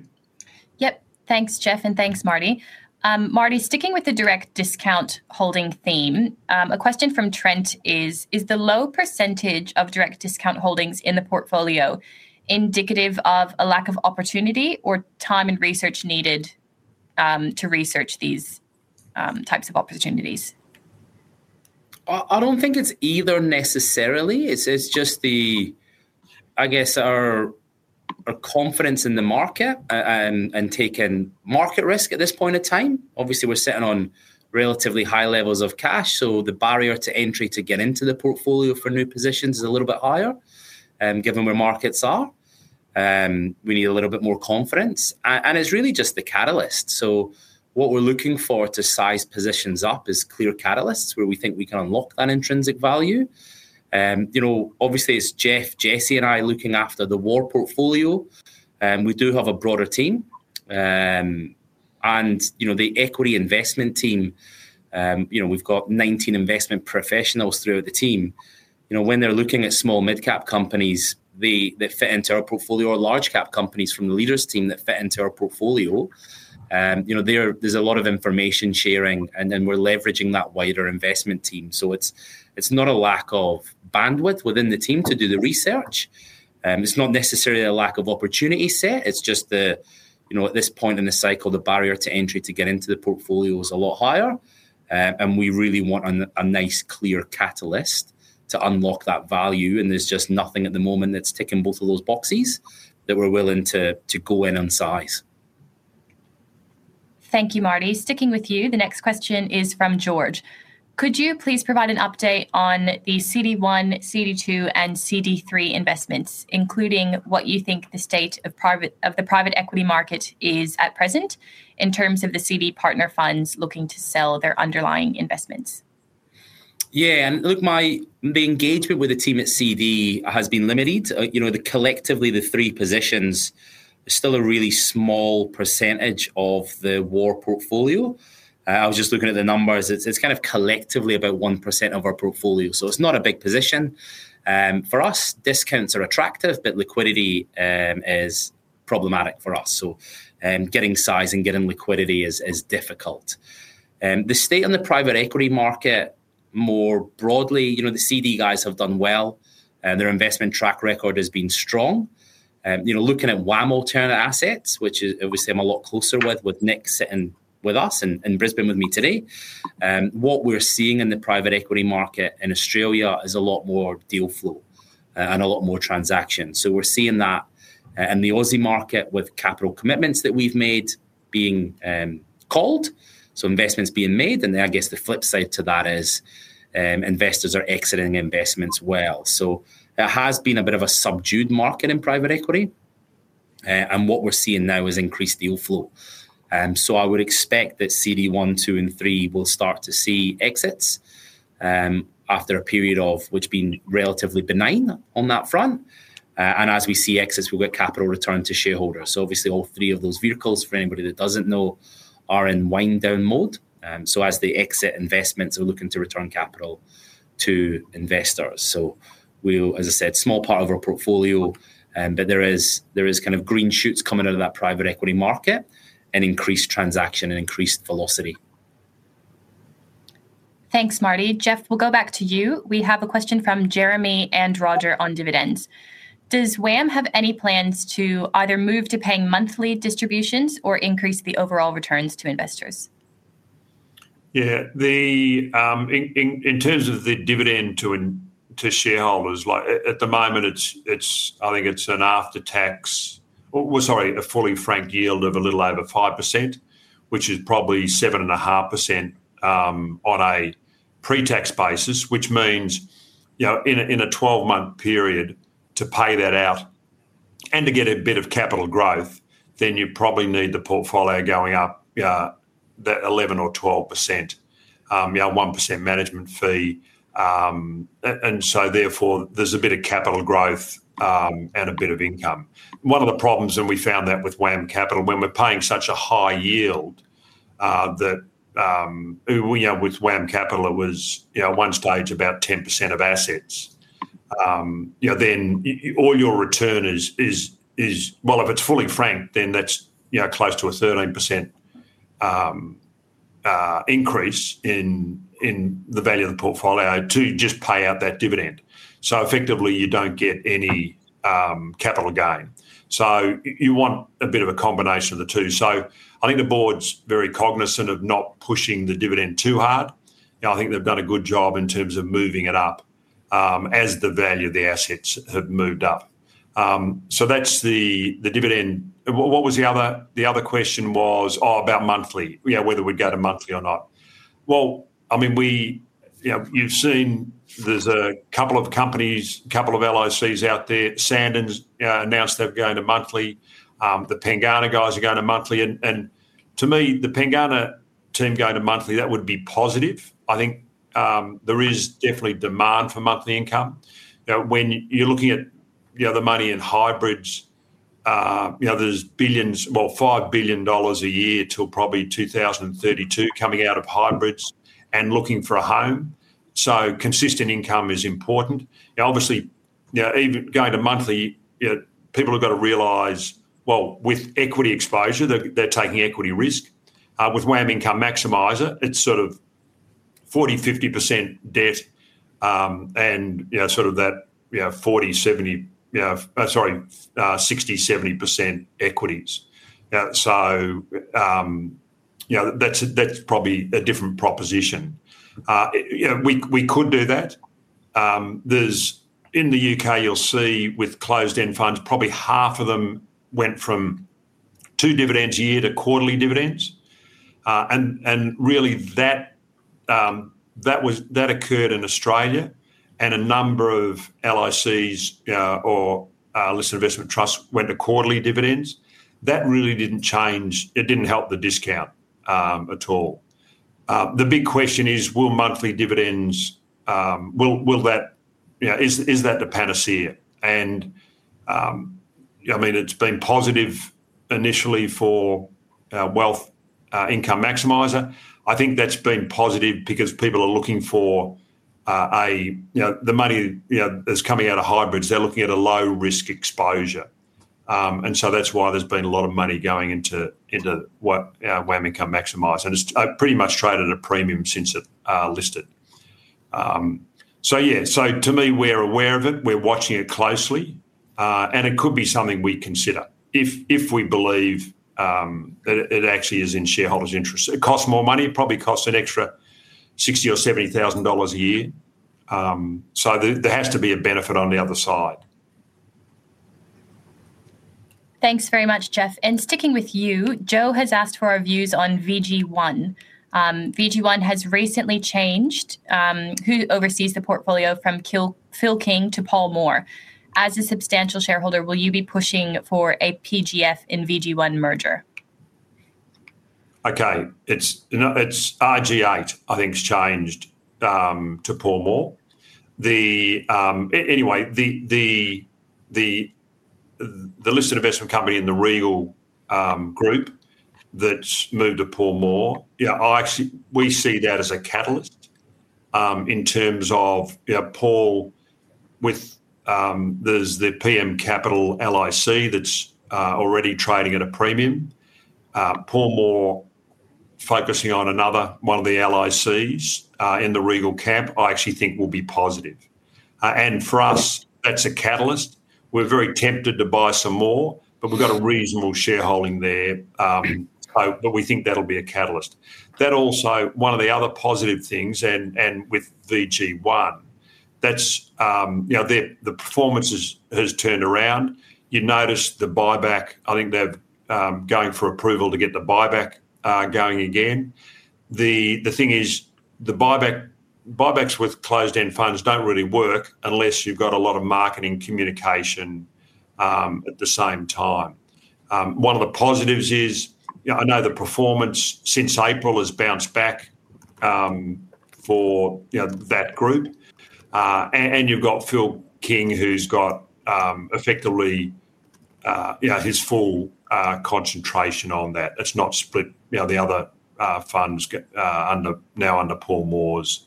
Yep, thanks Geoff and thanks Marty. Marty, sticking with the direct discount holding theme, a question from Trent is, is the low percentage of direct discount holdings in the portfolio indicative of a lack of opportunity or time and research needed to research these types of opportunities? I don't think it's either necessarily. It's just our confidence in the market and taking market risk at this point in time. Obviously, we're sitting on relatively high levels of cash, so the barrier to entry to get into the portfolio for new positions is a little bit higher given where markets are. We need a little bit more confidence, and it's really just the catalyst. What we're looking for to size positions up is clear catalysts where we think we can unlock that intrinsic value. Obviously, it's Geoff, Jesse, and I looking after the WAM Strategic Value portfolio. We do have a broader team, and the equity investment team, we've got 19 investment professionals throughout the team. When they're looking at small mid-cap companies that fit into our portfolio or large-cap companies from the leaders team that fit into our portfolio, there's a lot of information sharing, and we're leveraging that wider investment team. It's not a lack of bandwidth within the team to do the research. It's not necessarily a lack of opportunity set. At this point in the cycle, the barrier to entry to get into the portfolio is a lot higher, and we really want a nice, clear catalyst to unlock that value. There's just nothing at the moment that's ticking both of those boxes that we're willing to go in and size. Thank you, Marty. Sticking with you, the next question is from George. Could you please provide an update on the CD1, CD2, and CD3 investments, including what you think the state of the private equity market is at present in terms of the CD partner funds looking to sell their underlying investments? Yeah, and look, my engagement with the team at CD has been limited. Collectively, the three positions are still a really small percentage of the WAM Strategic Value portfolio. I was just looking at the numbers. It's kind of collectively about 1% of our portfolio, so it's not a big position. For us, discounts are attractive, but liquidity is problematic for us. Getting size and getting liquidity is difficult. The state on the private equity market more broadly, the CD guys have done well. Their investment track record has been strong. Looking at WAM Alternative Assets, which obviously I'm a lot closer with, with Nick sitting with us in Brisbane with me today, what we're seeing in the private equity market in Australia is a lot more deal flow and a lot more transactions. We're seeing that in the Aussie market with capital commitments that we've made being called, so investments being made. The flip side to that is investors are exiting investments well. It has been a bit of a subdued market in private equity, and what we're seeing now is increased deal flow. I would expect that CD1, CD2, and CD3 will start to see exits after a period of which being relatively benign on that front. As we see exits, we've got capital returned to shareholders. Obviously, all three of those vehicles, for anybody that doesn't know, are in wind-down mode. As they exit, investments are looking to return capital to investors. As I said, small part of our portfolio, but there are kind of green shoots coming out of that private equity market and increased transaction and increased velocity. Thanks, Marty. Geoff, we'll go back to you. We have a question from Jeremy and Roger on dividends. Does WAM have any plans to either move to paying monthly distributions or increase the overall returns to investors? Yeah, in terms of the dividend to shareholders, at the moment, I think it's an after-tax, or sorry, a fully franked yield of a little over 5%, which is probably 7.5% on a pre-tax basis, which means in a 12-month period to pay that out and to get a bit of capital growth, then you probably need the portfolio going up that 11% or 12%, 1% management fee. Therefore, there's a bit of capital growth and a bit of income. One of the problems, and we found that with WAM Capital, when we're paying such a high yield, that with WAM Capital, it was at one stage about 10% of assets. Then all your return is, well, if it's fully franked, then that's close to a 13% increase in the value of the portfolio to just pay out that dividend. Effectively, you don't get any capital gain. You want a bit of a combination of the two. I think the board's very cognizant of not pushing the dividend too hard. I think they've done a good job in terms of moving it up as the value of the assets have moved up. That's the dividend. The other question was about monthly, yeah, whether we'd go to monthly or not. You've seen there's a couple of companies, a couple of listed investment companies out there. Sandon's announced they're going to monthly. The Pengana guys are going to monthly. To me, the Pengana team going to monthly, that would be positive. I think there is definitely demand for monthly income. When you're looking at the money in hybrids, there's billions, well, 5 billion dollars a year till probably 2032 coming out of hybrids and looking for a home. Consistent income is important. Obviously, even going to monthly, people have got to realize, well, with equity exposure, they're taking equity risk. With WAM Income Maximizer, it's sort of 40%- 50% debt, and sort of that 60%- 70% equities. That's probably a different proposition. We could do that. In the U.K., you'll see with closed-end funds, probably half of them went from two dividends a year to quarterly dividends. That occurred in Australia, and a number of listed investment companies or listed investment trusts went to quarterly dividends. That really didn't change. It didn't help the discount at all. The big question is, will monthly dividends, will that, yeah, is that the panacea? It's been positive initially for WAM Income Maximizer. I think that's been positive because people are looking for the money that's coming out of hybrids. They're looking at a low-risk exposure. That's why there's been a lot of money going into WAM Income Maximizer. It's pretty much traded at a premium since it listed. We're aware of it, we're watching it closely, and it could be something we consider if we believe that it actually is in shareholders' interest. It costs more money, it probably costs an extra 60,000 or 70,000 dollars a year, so there has to be a benefit on the other side. Thanks very much, Geoff. Sticking with you, Joe has asked for our views on VG1. VG1 has recently changed who oversees the portfolio from Phil King to Paul Moore. As a substantial shareholder, will you be pushing for a PGF in VG1 merger? Okay, it's RG8, I think, has changed to Paul Moore. Anyway, the listed investment company in the Regal Group that's moved to Paul Moore, we see that as a catalyst in terms of Paul with the PM Capital LIC that's already trading at a premium. Paul Moore focusing on another one of the LICs in the Regal camp, I actually think will be positive. For us, that's a catalyst. We're very tempted to buy some more, but we've got a reasonable shareholding there. We think that'll be a catalyst. That also, one of the other positive things, and with VG1, that's the performance has turned around. You notice the buyback. I think they're going for approval to get the buyback going again. The thing is, the buybacks with closed-end funds don't really work unless you've got a lot of marketing communication at the same time. One of the positives is, I know the performance since April has bounced back for that group. You've got Phil King, who's got effectively his full concentration on that. It's not split. The other funds are now under Paul Moore's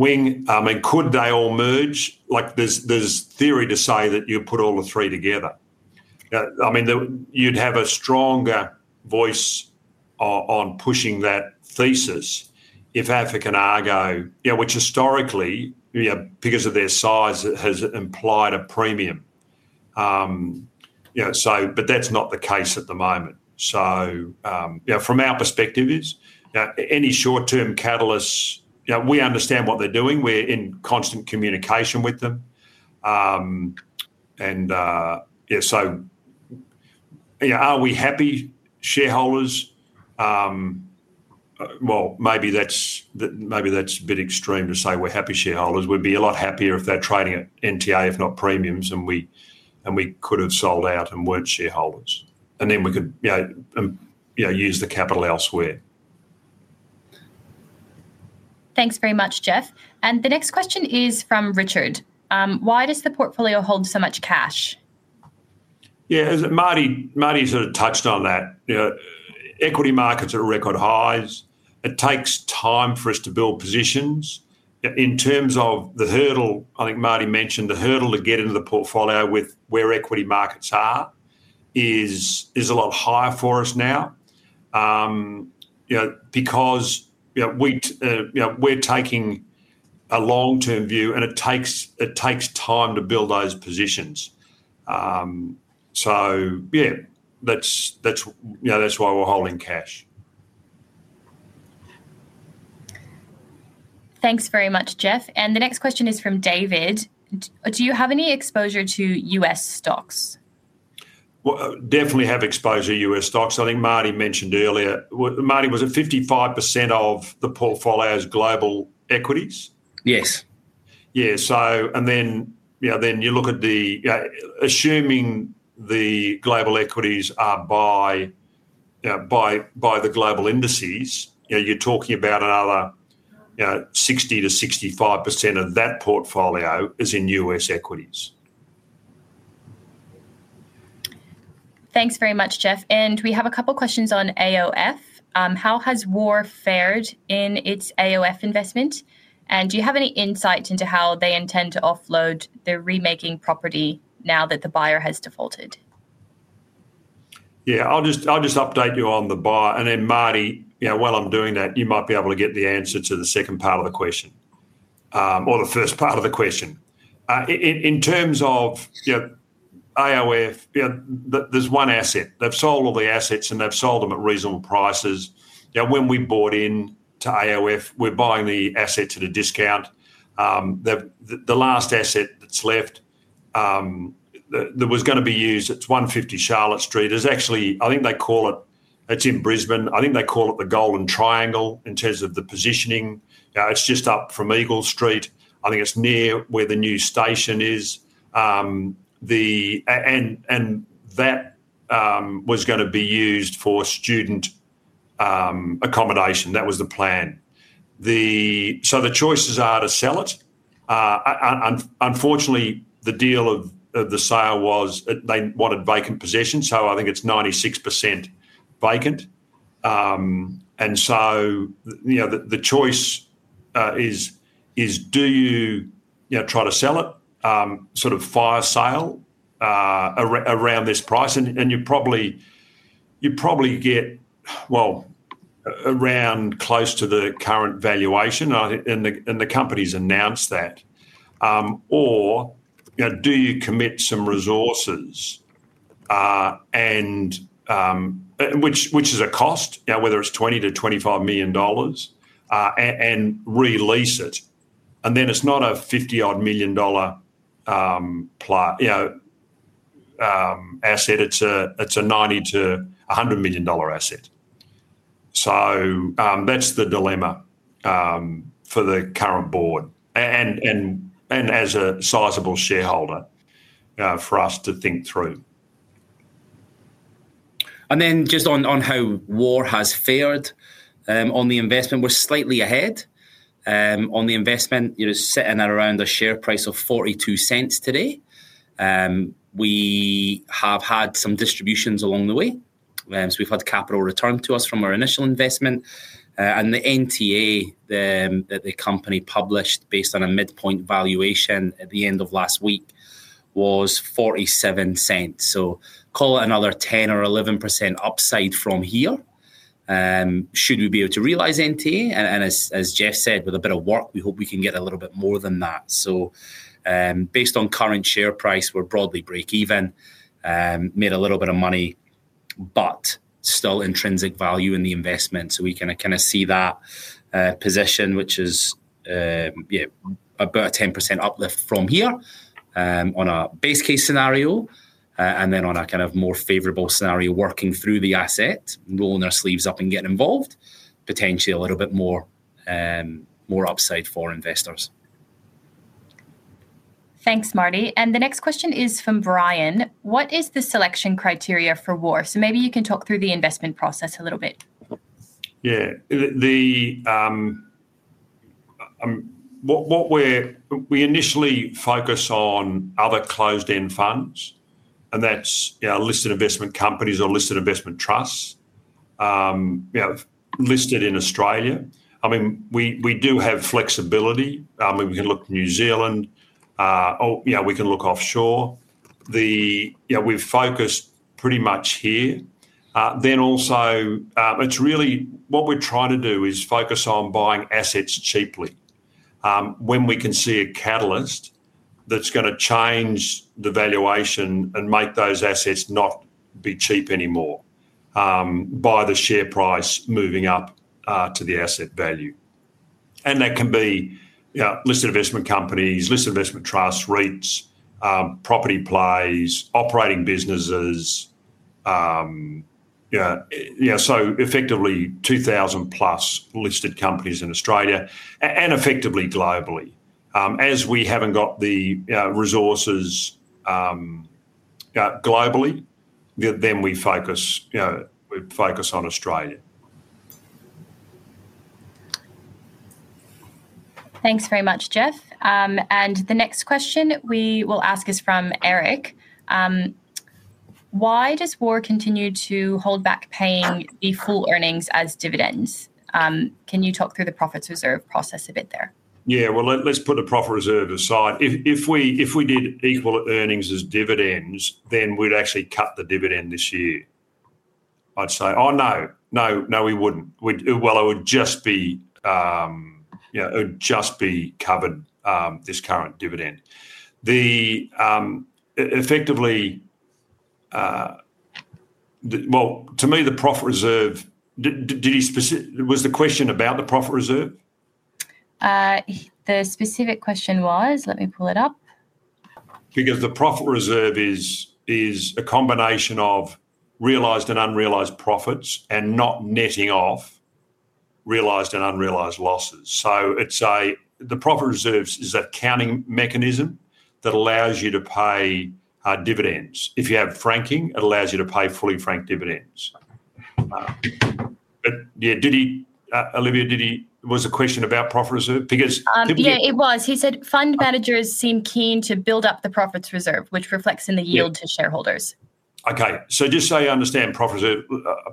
wing. I mean, could they all merge? Like there's theory to say that you put all the three together. You'd have a stronger voice on pushing that thesis if African Argo, which historically, because of their size, has implied a premium. That's not the case at the moment. From our perspective, any short-term catalysts, we understand what they're doing. We're in constant communication with them. Are we happy shareholders? Maybe that's a bit extreme to say we're happy shareholders. We'd be a lot happier if they're trading at NTA, if not premiums, and we could have sold out and weren't shareholders. Then we could, you know, use the capital elsewhere. Thanks very much, Geoff. The next question is from Richard. Why does the portfolio hold so much cash? Yeah, Marty sort of touched on that. You know, equity markets are at record highs. It takes time for us to build positions. In terms of the hurdle, I think Marty mentioned the hurdle to get into the portfolio with where equity markets are is a lot higher for us now, because we're taking a long-term view, and it takes time to build those positions. That's why we're holding cash. Thanks very much, Geoff. The next question is from David. Do you have any exposure to U.S. stocks? We definitely have exposure to U.S. stocks. I think Marty mentioned earlier, Marty was it 55% of the portfolio's global equities? Yes. Yeah, so, assuming the global equities are by the global indices, you're talking about another 60%- 65% of that portfolio is in US equities. Thanks very much, Geoff. We have a couple of questions on AOF. How has WAR fared in its AOF investment? Do you have any insight into how they intend to offload the remaining property now that the buyer has defaulted? I'll just update you on the buy. Marty, while I'm doing that, you might be able to get the answer to the second part of the question or the first part of the question. In terms of AOF, there's one asset. They've sold all the assets, and they've sold them at reasonable prices. When we bought into AOF, we're buying the assets at a discount. The last asset that's left that was going to be used, it's 150 Charlotte Street. I think they call it the Golden Triangle in terms of the positioning. It's just up from Eagle Street. I think it's near where the new station is. That was going to be used for student accommodation. That was the plan. The choices are to sell it. Unfortunately, the deal of the sale was they wanted vacant possession. I think it's 96% vacant. The choice is, do you try to sell it, sort of fire sale around this price? You probably get, well, around close to the current valuation. The company's announced that. Do you commit some resources, which is a cost, whether it's 20 million- 25 million dollars, and release it? Then it's not a 50 million dollar asset. It's a 90 million- 100 million dollar asset. That's the dilemma for the current board and as a sizable shareholder for us to think through. Just on how WAR has fared on the investment, we're slightly ahead. On the investment, sitting at around a share price of 0.42 today, we have had some distributions along the way. We've had capital returned to us from our initial investment. The NTA that the company published based on a midpoint valuation at the end of last week was 0.47. That is another 10% or 11% upside from here, should we be able to realize NTA. As Geoff said, with a bit of work, we hope we can get a little bit more than that. Based on current share price, we're broadly break-even, made a little bit of money, but still intrinsic value in the investment. We can see that position, which is about a 10% uplift from here on a base case scenario. On a more favorable scenario, working through the asset, rolling our sleeves up and getting involved, potentially a little bit more upside for investors. Thanks, Marty. The next question is from Brian. What is the selection criteria for WAR? Maybe you can talk through the investment process a little bit. Yeah, we initially focus on other closed-end funds. That's listed investment companies or listed investment trusts listed in Australia. We do have flexibility. We can look at New Zealand. We can look offshore. We've focused pretty much here. It's really what we're trying to do, focus on buying assets cheaply when we can see a catalyst that's going to change the valuation and make those assets not be cheap anymore by the share price moving up to the asset value. That can be listed investment companies, listed investment trusts, REITs, property plays, operating businesses. Effectively, 2,000+ listed companies in Australia and effectively globally. As we haven't got the resources globally, we focus on Australia. Thanks very much, Geoff. The next question we will ask is from Eric. Why does WAR continue to hold back paying equal earnings as dividends? Can you talk through the profit reserve process a bit there? Let's put the profit reserve aside. If we did equal earnings as dividends, then we'd actually cut the dividend this year. No, no, no, we wouldn't. It would just be covered, this current dividend. Effectively, to me, the profit reserve—did he specifically, was the question about the profit reserve? The specific question was, let me pull it up. Because the profit reserve is a combination of realized and unrealized profits and not netting off realized and unrealized losses. The profit reserve is an accounting mechanism that allows you to pay dividends. If you have franking, it allows you to pay fully franked dividends. Olivia, was the question about profit reserve? Yeah, it was. He said fund managers seem keen to build up the profits reserve, which reflects in the yield to shareholders. Okay, so just so you understand, profit reserve,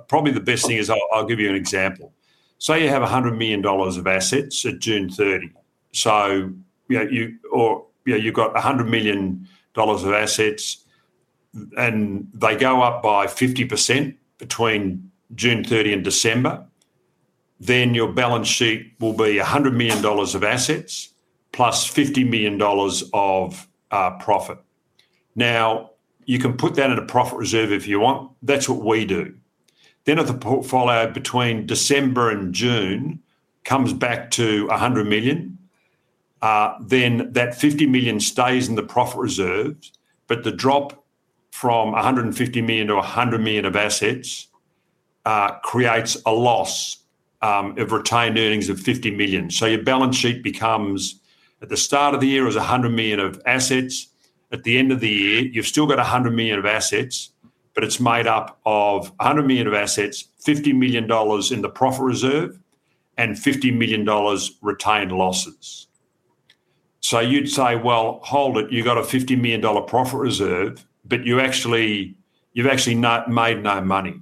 probably the best thing is I'll give you an example. Say you have 100 million dollars of assets at June 30. You've got 100 million dollars of assets, and they go up by 50% between June 30 and December. Your balance sheet will be 100 million dollars of assets + 50 million dollars of profit. You can put that in a profit reserve if you want. That's what we do. If the portfolio between December and June comes back to 100 million, that 50 million stays in the profit reserves, but the drop from 150 million- 100 million of assets creates a loss of retained earnings of 50 million. Your balance sheet becomes, at the start of the year, it was 100 million of assets. At the end of the year, you've still got 100 million of assets, but it's made up of 100 million of assets, 50 million dollars in the profit reserve, and 50 million dollars retained losses. You'd say, hold it, you've got a 50 million dollar profit reserve, but you've actually made no money.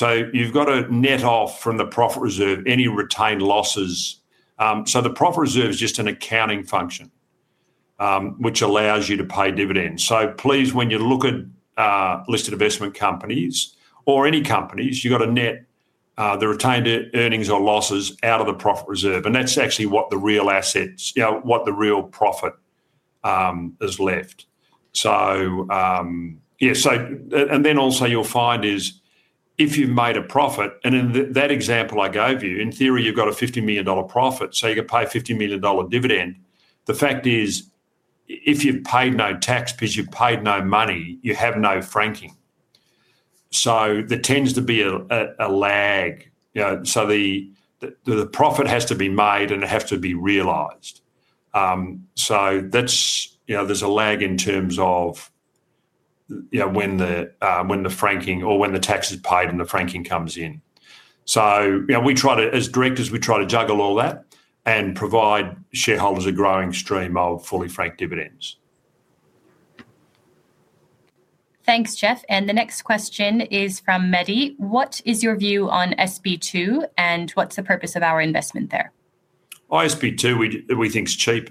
You've got to net off from the profit reserve any retained losses. The profit reserve is just an accounting function, which allows you to pay dividends. Please, when you look at listed investment companies or any companies, you've got to net the retained earnings or losses out of the profit reserve. That's actually what the real assets, what the real profit is left. Also, you'll find is if you've made a profit, and in that example I gave you, in theory, you've got a 50 million dollar profit, so you could pay a 50 million dollar dividend. The fact is, if you've paid no tax because you've paid no money, you have no franking. There tends to be a lag. The profit has to be made and it has to be realized. There's a lag in terms of when the franking or when the tax is paid and the franking comes in. We try to, as directors, we try to juggle all that and provide shareholders a growing stream of fully franked dividends. Thanks, Geoff. The next question is from Maddie. What is your view on SB2 and what's the purpose of our investment there? SB2, we think is cheap.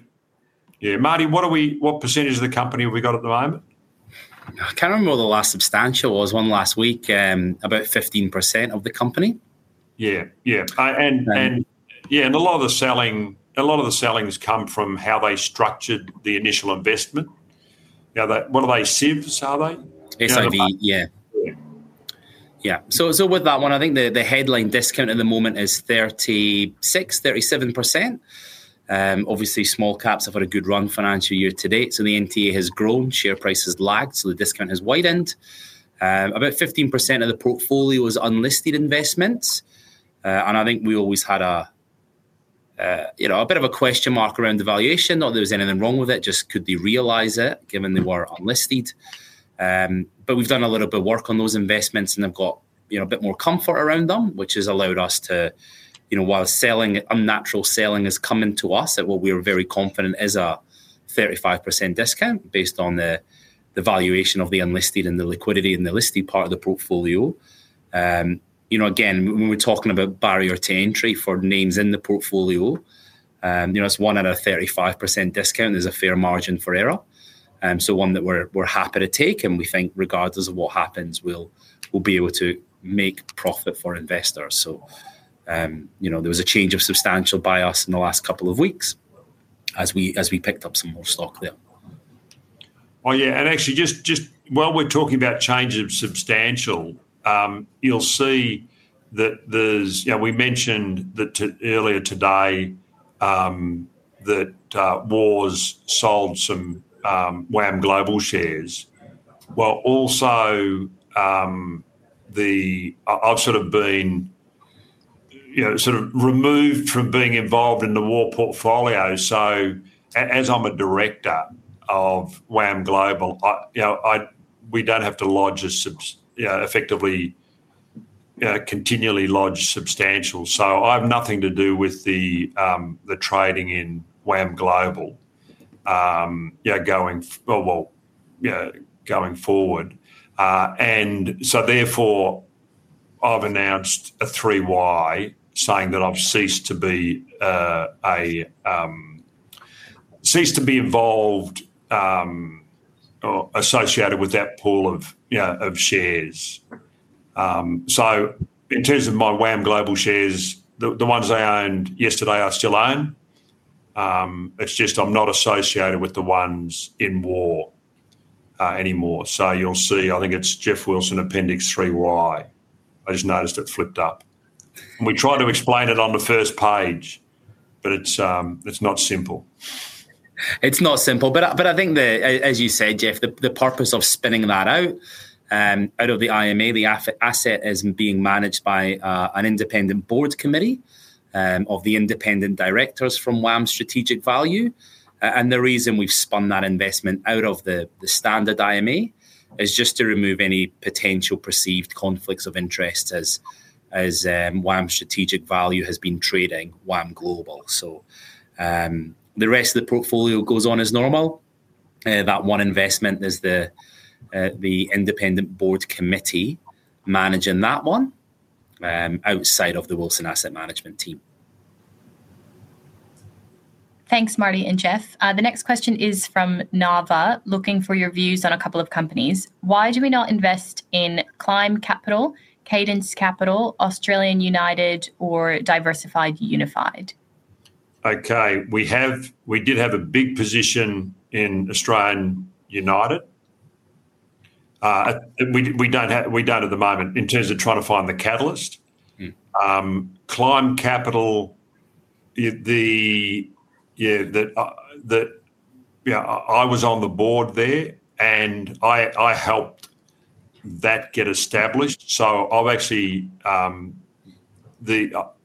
Yeah, Marty, what percentage of the company have we got at the moment? I can't remember what the last substantial was. One last week, about 15% of the company. Yeah, a lot of the selling has come from how they structured the initial investment. Now, what are they, S.I.V.s, are they? SIV, yeah. Yeah, so with that one, I think the headline discount at the moment is 36%- 37%. Obviously, small caps have had a good run financial year to date. The NTA has grown, share price has lagged, so the discount has widened. About 15% of the portfolio is unlisted investments. I think we always had a bit of a question mark around the valuation. Not that there was anything wrong with it, just could they realize it given they were unlisted? We've done a little bit of work on those investments and have got a bit more comfort around them, which has allowed us to, while selling, unnatural selling has come into us at what we're very confident is a 35% discount based on the valuation of the unlisted and the liquidity in the listed part of the portfolio. When we're talking about barrier to entry for names in the portfolio, it's one out of a 35% discount. There's a fair margin for error. One that we're happy to take, and we think regardless of what happens, we'll be able to make profit for investors. There was a change of substantial bias in the last couple of weeks as we picked up some more stock there. Oh yeah, and actually, just while we're talking about changes of substantial, you'll see that there's, you know, we mentioned earlier today that WAR's sold some WAM Global shares. Also, I've sort of been removed from being involved in the WAR portfolio. As I'm a Director of WAM Global, we don't have to lodge a substantial, effectively, you know, continually lodge substantial. I have nothing to do with the trading in WAM Global, yeah, going forward. Therefore, I've announced a 3Y saying that I've ceased to be involved or associated with that pool of shares. In terms of my WAM Global shares, the ones I owned yesterday, I still own. It's just I'm not associated with the ones in WAR anymore. You'll see, I think it's Geoff Wilson Appendix 3Y. I just noticed it flipped up. We tried to explain it on the first page, but it's not simple. It's not simple, but I think that, as you said, Geoff, the purpose of spinning that out of the IME, the asset is being managed by an independent board committee of the independent directors from WAM Strategic Value. The reason we've spun that investment out of the standard IME is just to remove any potential perceived conflicts of interest as WAM Strategic Value has been trading WAM Global. The rest of the portfolio goes on as normal. That one investment is the independent board committee managing that one outside of the Wilson Asset Management team. Thanks, Marty and Geoff. The next question is from Nava, looking for your views on a couple of companies. Why do we not invest in Climb Capital, Cadence Capital, Australian United, or Diversified Unified? Okay, we did have a big position in Australian United. We don't have it at the moment in terms of trying to find the catalyst. Climb Capital, yeah, I was on the board there, and I helped that get established.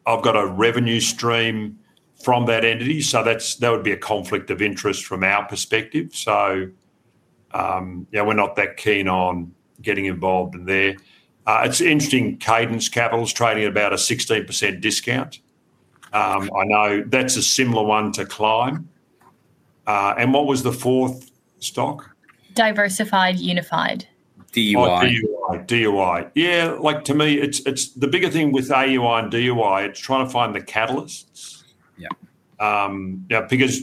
I've got a revenue stream from that entity. That would be a conflict of interest from our perspective. We're not that keen on getting involved in there. It's interesting, Cadence Capital is trading at about a 16% discount. I know that's a similar one to Climb. What was the fourth stock? Diversified Unified. DUI. To me, the bigger thing with AUI and DUI is trying to find the catalysts, because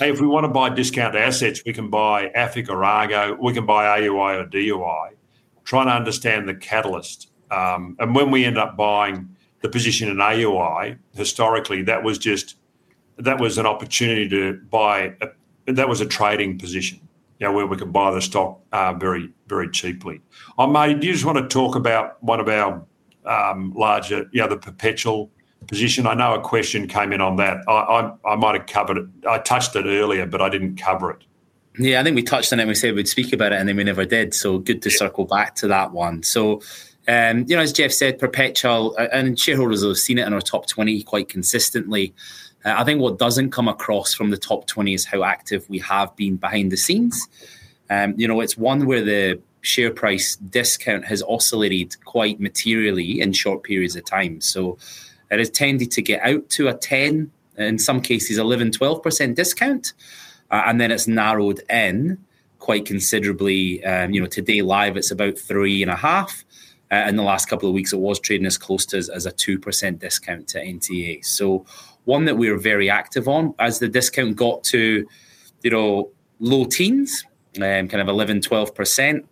if we want to buy discount assets, we can buy AFIC or ARGO, we can buy AUI or DUI, trying to understand the catalyst. When we end up buying the position in AUI, historically, that was just an opportunity to buy, that was a trading position where we could buy the stock very, very cheaply. Do you want to talk about one of our larger, the perpetual position? I know a question came in on that. I might have covered it. I touched it earlier, but I didn't cover it. Yeah, I think we touched on it and we said we'd speak about it, and then we never did. Good to circle back to that one. As Geoff said, Perpetual, and shareholders have seen it in our top 20 quite consistently. I think what doesn't come across from the top 20 is how active we have been behind the scenes. It's one where the share price discount has oscillated quite materially in short periods of time. It has tended to get out to a 10%, in some cases 11%- 12% discount, and then it's narrowed in quite considerably. Today live, it's about 3.5%. In the last couple of weeks, it was trading as close to a 2% discount to NTA. One that we were very active on as the discount got to low teens, kind of 11%- 12%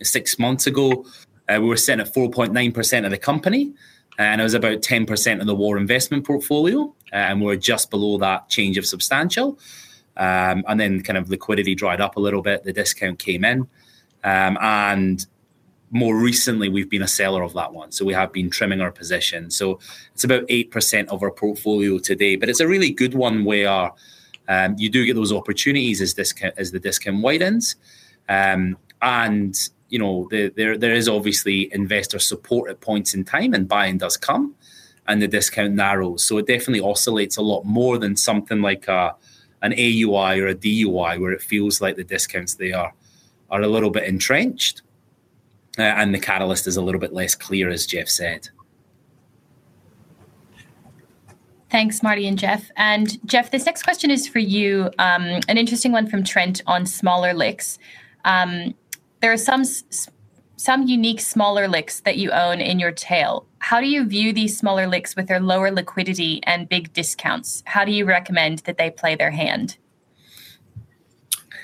six months ago, we were sitting at 4.9% of the company, and it was about 10% of the WAR investment portfolio. We were just below that change of substantial. Liquidity dried up a little bit, the discount came in, and more recently, we've been a seller of that one. We have been trimming our position, so it's about 8% of our portfolio today, but it's a really good one where you do get those opportunities as the discount widens. There is obviously investor support at points in time, and buying does come, and the discount narrows. It definitely oscillates a lot more than something like an AUI or a DUI where it feels like the discounts there are a little bit entrenched, and the catalyst is a little bit less clear, as Geoff said. Thanks, Marty and Geoff. Geoff, this next question is for you, an interesting one from Trent on smaller LICs. There are some unique smaller LICs that you own in your tail. How do you view these smaller LICs with their lower liquidity and big discounts? How do you recommend that they play their hand?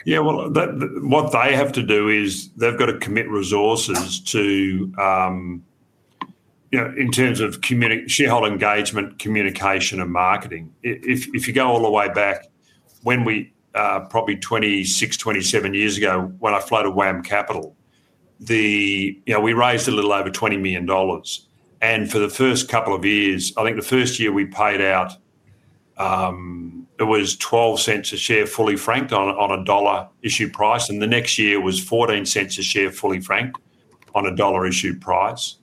What they have to do is they've got to commit resources in terms of shareholder engagement, communication, and marketing. If you go all the way back, probably 26- 27 years ago, when I floated WAM Capital, we raised a little over 20 million dollars. For the first couple of years, I think the first year we paid out, it was 0.12 a share fully franked on a AUD 1 issue price. The next year was 0.14 a share fully franked on a AUD 1 issue price.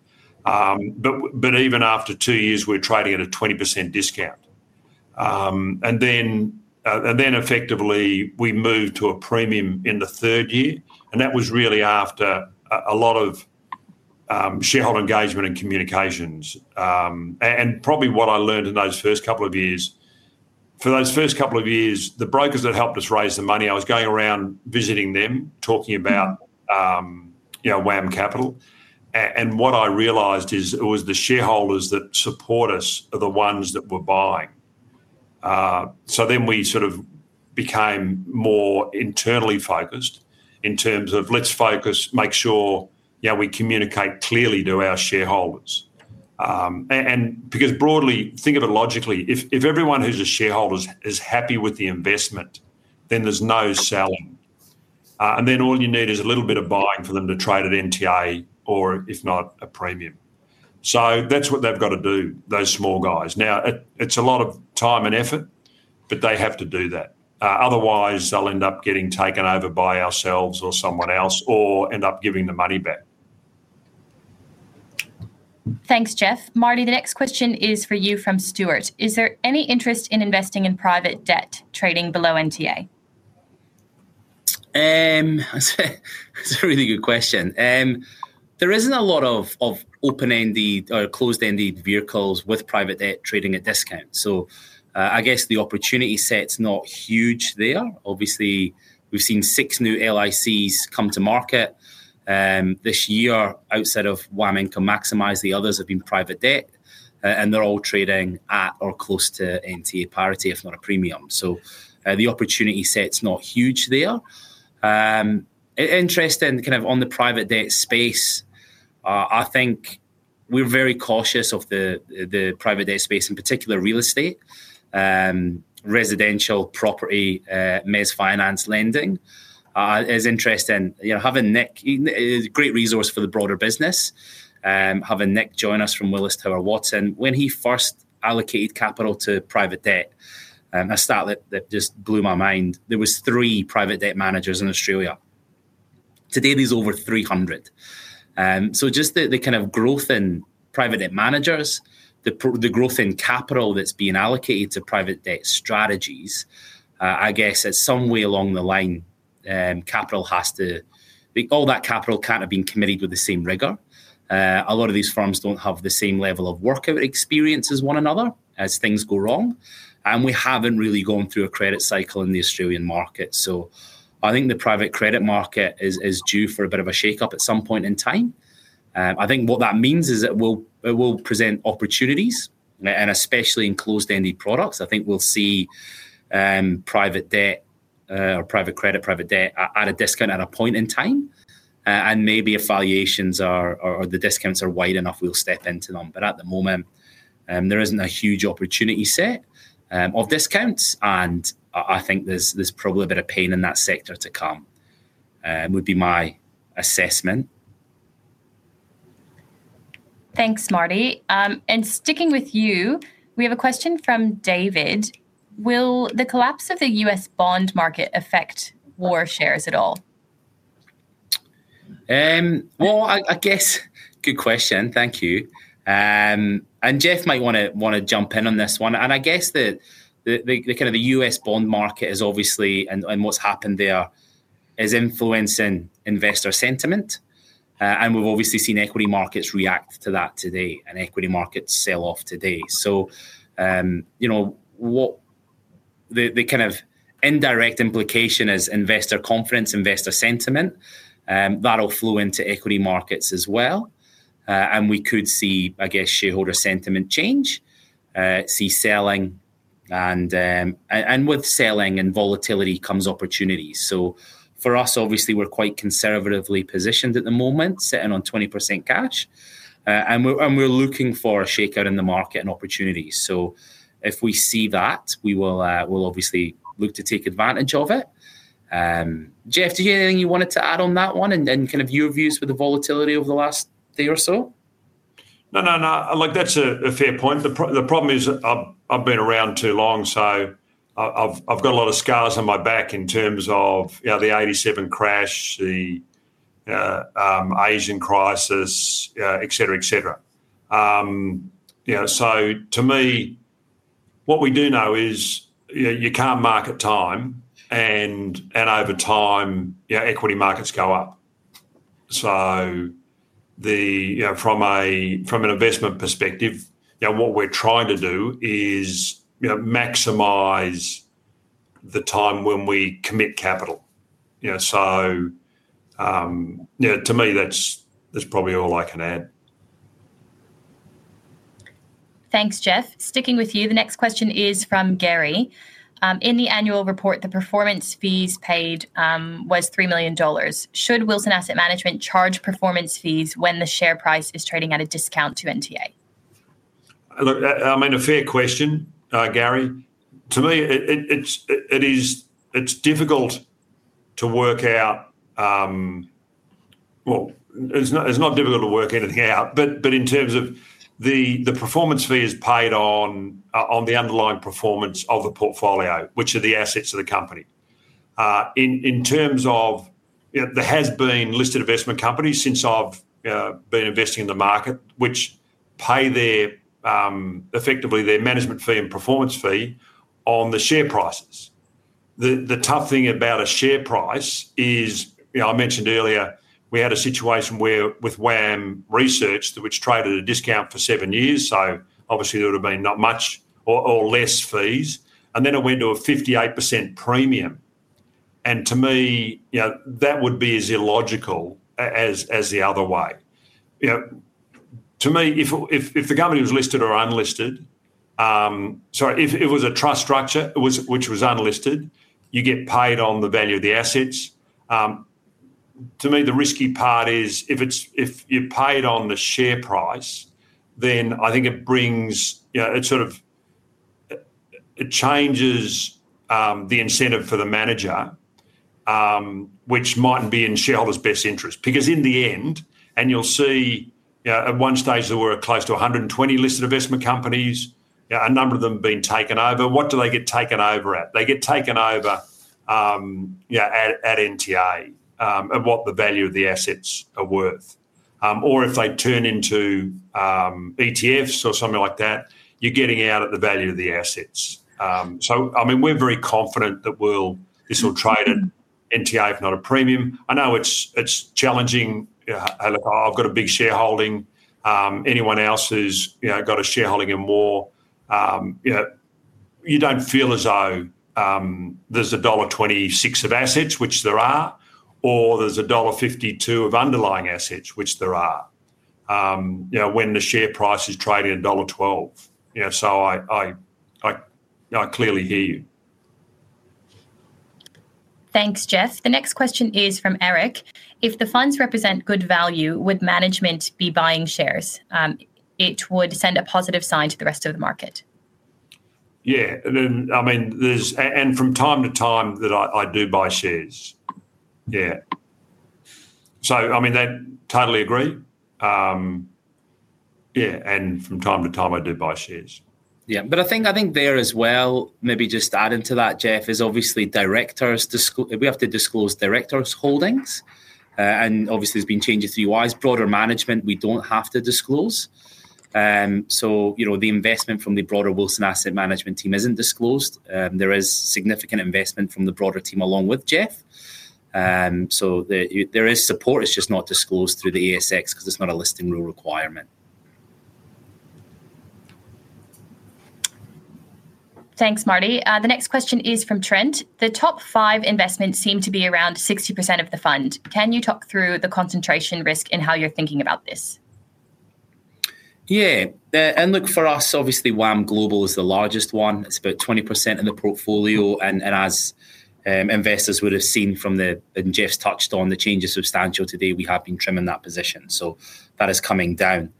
Even after two years, we were trading at a 20% discount. Effectively, we moved to a premium in the third year, and that was really after a lot of shareholder engagement and communications. Probably what I learned in those first couple of years, the brokers that helped us raise the money, I was going around visiting them, talking about WAM Capital. What I realized is it was the shareholders that support us who were buying. We sort of became more internally focused in terms of let's focus, make sure now we communicate clearly to our shareholders. Broadly, think of it logically, if everyone who's a shareholder is happy with the investment, then there's no selling. All you need is a little bit of buying for them to trade at NTA, or if not, a premium. That's what they've got to do, those small guys. It's a lot of time and effort, but they have to do that. Otherwise, they'll end up getting taken over by ourselves or someone else or end up giving the money back. Thanks, Geoff. Marty, the next question is for you from Stuart. Is there any interest in investing in private debt trading below NTA? That's a really good question. There isn't a lot of open-ended or closed-ended vehicles with private debt trading at a discount. I guess the opportunity set's not huge there. Obviously, we've seen six new listed investment companies come to market this year outside of WAM Income Maximized. The others have been private debt, and they're all trading at or close to NTA parity, if not a premium. The opportunity set's not huge there. Interesting, kind of on the private debt space, I think we're very cautious of the private debt space, in particular real estate, residential property, mezz finance lending. It's interesting, you know, having Nick, he's a great resource for the broader business, having Nick join us from Willis Tower Watson. When he first allocated capital to private debt, a stat that just blew my mind, there were three private debt managers in Australia. Today, there's over 300. Just the kind of growth in private debt managers, the growth in capital that's being allocated to private debt strategies, I guess at some way along the line, all that capital can't have been committed with the same rigor. A lot of these firms don't have the same level of work experience as one another as things go wrong. We haven't really gone through a credit cycle in the Australian market. I think the private credit market is due for a bit of a shakeup at some point in time. I think what that means is it will present opportunities, and especially in closed-ended products, I think we'll see private debt or private credit, private debt at a discount at a point in time. Maybe if valuations or the discounts are wide enough, we'll step into them. At the moment, there isn't a huge opportunity set of discounts. I think there's probably a bit of pain in that sector to come, would be my assessment. Thanks, Marty. Sticking with you, we have a question from David. Will the collapse of the U.S. bond market affect WAR shares at all? Good question, thank you. Geoff might want to jump in on this one. The kind of the U.S. bond market is obviously, and what's happened there is influencing investor sentiment. We've obviously seen equity markets react to that today, and equity markets sell off today. The kind of indirect implication is investor confidence, investor sentiment, that'll flow into equity markets as well. We could see shareholder sentiment change, see selling, and with selling and volatility comes opportunities. For us, obviously, we're quite conservatively positioned at the moment, sitting on 20% cash. We're looking for a shakeout in the market and opportunities. If we see that, we will obviously look to take advantage of it. Geoff, did you have anything you wanted to add on that one and your views with the volatility over the last day or so? No, that's a fair point. The problem is I've been around too long. I've got a lot of scars on my back in terms of the 1987 crash, the Asian crisis, etc. To me, what we do know is you can't market time, and over time, equity markets go up. From an investment perspective, what we're trying to do is maximize the time when we commit capital. To me, that's probably all I can add. Thanks, Geoff. Sticking with you, the next question is from Gary. In the annual report, the performance fees paid was 3 million dollars. Should Wilson Asset Management charge performance fees when the share price is trading at a discount to NTA? I mean, a fair question, Gary. To me, it's difficult to work out, well, it's not difficult to work anything out, but in terms of the performance fees paid on the underlying performance of the portfolio, which are the assets of the company. In terms of, you know, there have been listed investment companies since I've been investing in the market, which pay their, effectively, their management fee and performance fee on the share prices. The tough thing about a share price is, you know, I mentioned earlier, we had a situation where with WAM Research, which traded at a discount for seven years, so obviously there would have been not much or less fees, and then it went to a 58% premium. To me, that would be as illogical as the other way. If the company was listed or unlisted, sorry, if it was a trust structure, which was unlisted, you get paid on the value of the assets. To me, the risky part is if you're paid on the share price, then I think it brings, you know, it sort of changes the incentive for the manager, which mightn't be in shareholders' best interests. In the end, and you'll see, at one stage there were close to 120 listed investment companies, a number of them being taken over. What do they get taken over at? They get taken over at NTA and what the value of the assets are worth. If they turn into ETFs or something like that, you're getting out at the value of the assets. I mean, we're very confident that this will trade at NTA, if not a premium. I know it's challenging. I've got a big shareholding. Anyone else who's got a shareholding in more, you know, you don't feel as though there's dollar 1.26 of assets, which there are, or there's dollar 1.52 of underlying assets, which there are, when the share price is trading at dollar 1.12. I clearly hear you. Thanks, Geoff. The next question is from Eric. If the funds represent good value, would management be buying shares? It would send a positive sign to the rest of the market. Yeah, I mean, from time to time I do buy shares. I totally agree. From time to time I do buy shares. Yeah, I think there as well, maybe just adding to that, Geoff, is obviously directors, we have to disclose directors' holdings. Obviously, there's been changes to UIs, broader management, we don't have to disclose. The investment from the broader Wilson Asset Management team isn't disclosed. There is significant investment from the broader team along with Geoff. There is support, it's just not disclosed through the ASX because it's not a listing rule requirement. Thanks, Marty. The next question is from Trent. The top five investments seem to be around 60% of the fund. Can you talk through the concentration risk and how you're thinking about this? Yeah, and look, for us, obviously WAM Global is the largest one. It's about 20% in the portfolio. As investors would have seen from the, and Geoff's touched on the changes substantial today, we have been trimming that position. That is coming down.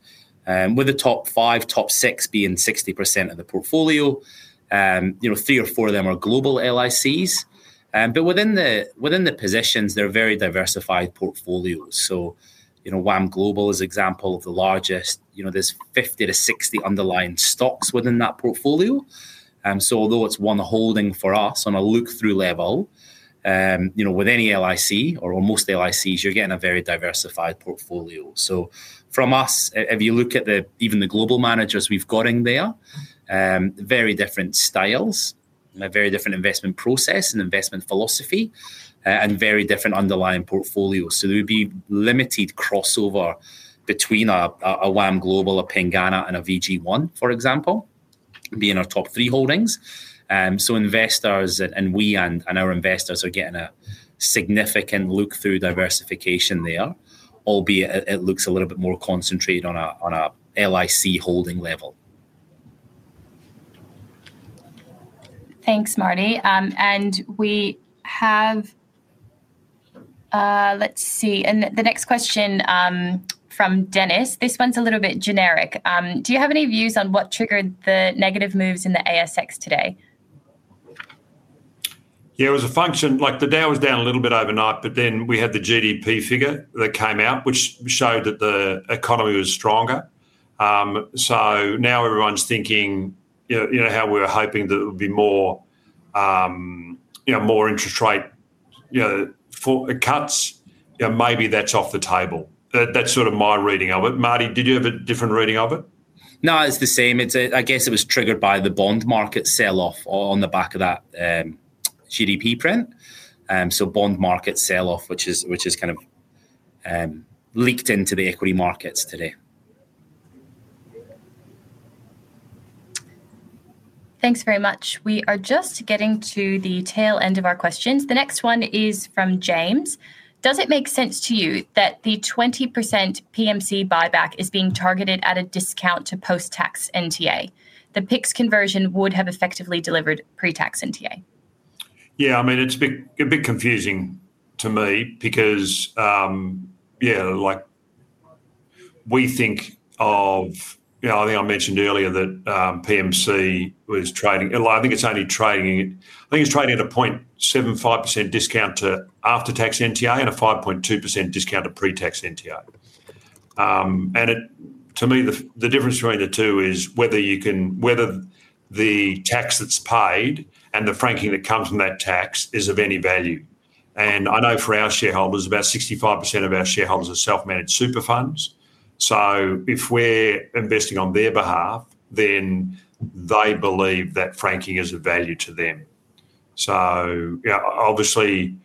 With the top five, top six being 60% of the portfolio, three or four of them are global LICs. Within the positions, they're very diversified portfolios. WAM Global is an example of the largest. There's 50- 60 underlying stocks within that portfolio. Although it's one holding for us on a look-through level, with any LIC or almost LICs, you're getting a very diversified portfolio. From us, if you look at even the global managers we've got in there, very different styles, a very different investment process and investment philosophy, and very different underlying portfolios. There would be limited crossover between a WAM Global, a Pengana, and a VG1, for example, being our top three holdings. Investors and we and our investors are getting a significant look-through diversification there, albeit it looks a little bit more concentrated on a LIC holding level. Thanks, Marty. We have the next question from Dennis. This one's a little bit generic. Do you have any views on what triggered the negative moves in the ASX today? Yeah, it was a function, like the Dow was down a little bit overnight, but then we had the GDP figure that came out, which showed that the economy was stronger. Now everyone's thinking, you know, how we were hoping that there would be more, you know, more interest rate, you know, for cuts. You know, maybe that's off the table. That's sort of my reading of it. Marty, did you have a different reading of it? No, it's the same. I guess it was triggered by the bond market sell-off on the back of that GDP print. The bond market sell-off, which has kind of leaked into the equity markets today. Thanks very much. We are just getting to the tail end of our questions. The next one is from James. Does it make sense to you that the 20% PMC buyback is being targeted at a discount to post-tax NTA? The PICs conversion would have effectively delivered pre-tax NTA. Yeah, I mean, it's a bit confusing to me because, like we think of, you know, I think I mentioned earlier that Platinum Capital was trading, I think it's only trading, I think it's trading at a 0.75% discount to after-tax NTA and a 5.2% discount to pre-tax NTA. To me, the difference between the two is whether you can, whether the tax that's paid and the franking that comes from that tax is of any value. I know for our shareholders, about 65% of our shareholders are self-managed super funds. If we're investing on their behalf, then they believe that franking is of value to them. Obviously,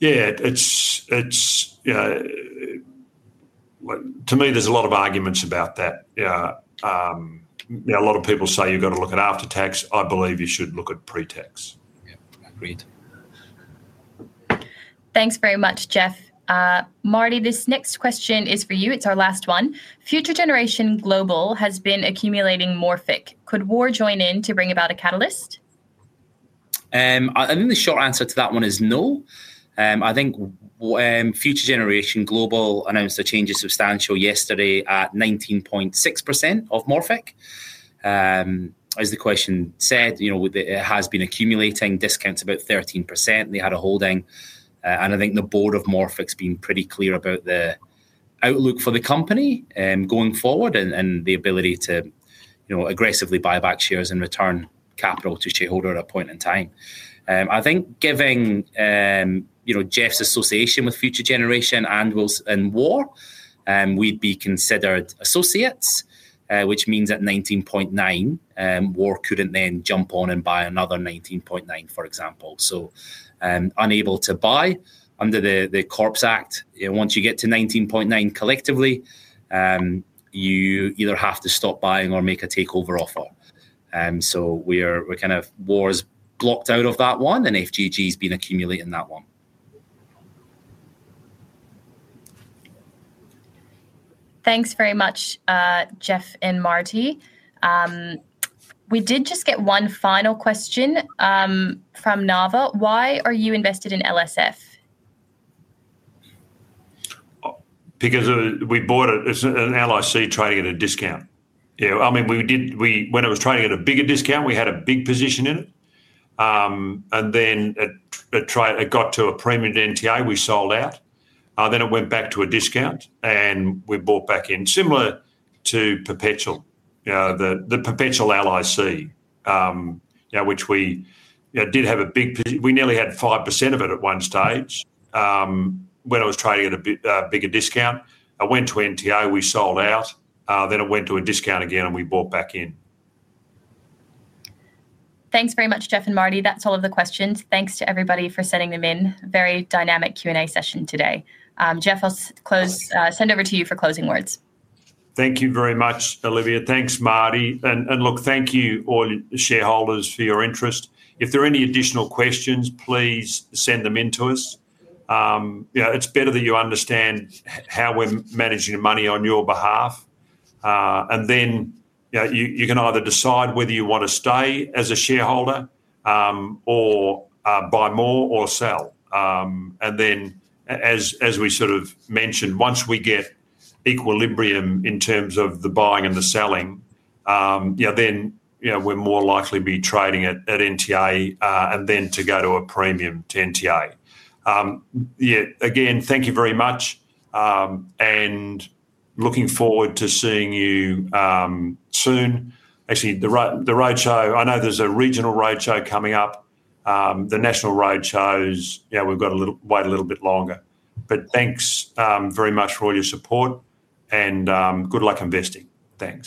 to me, there's a lot of arguments about that. A lot of people say you've got to look at after-tax. I believe you should look at pre-tax. Yeah, agreed. Thanks very much, Geoff. Marty, this next question is for you. It's our last one. Future Generation Global has been accumulating Morphic. Could WAR join in to bring about a catalyst? I think the short answer to that one is no. I think Future Generation Global announced a change of substantial yesterday at 19.6% of Morphic. As the question said, you know, it has been accumulating discounts about 13%. They had a holding. I think the board of Morphic 's been pretty clear about the outlook for the company going forward and the ability to, you know, aggressively buy back shares and return capital to shareholders at a point in time. I think, given, you know, Geoff's association with Future Generation and WAR, we'd be considered associates, which means at 19.9%, WAR couldn't then jump on and buy another 19.9%, for example. Unable to buy under the Corps Act. Once you get to 19.9% collectively, you either have to stop buying or make a takeover offer. We're kind of, WAR's blocked out of that one, and FGG's been accumulating that one. Thanks very much, Geoff and Marty. We did just get one final question from Nava. Why are you invested in LSF? Because we bought it as an LIC trading at a discount. Yeah, I mean, we did, when it was trading at a bigger discount, we had a big position in it. It got to a premium NTA, we sold out. It went back to a discount, and we bought back in, similar to Perpetual, you know, the Perpetual LIC, which we did have a big, we nearly had 5% of it at one stage, when it was trading at a bigger discount. It went to NTA, we sold out. It went to a discount again, and we bought back in. Thanks very much, Geoff and Marty. That's all of the questions. Thanks to everybody for sending them in. Very dynamic Q&A session today. Geoff, I'll close, send over to you for closing words. Thank you very much, Olivia. Thanks, Marty. Thank you all shareholders for your interest. If there are any additional questions, please send them in to us. It's better that you understand how we're managing the money on your behalf, and then you can either decide whether you want to stay as a shareholder, or buy more or sell. As we sort of mentioned, once we get equilibrium in terms of the buying and the selling, we're more likely to be trading at NTA, and then to go to a premium to NTA. Again, thank you very much, and looking forward to seeing you soon. Actually, the roadshow, I know there's a regional roadshow coming up. The national roadshows, we've got to wait a little bit longer. Thanks very much for all your support, and good luck investing. Thanks.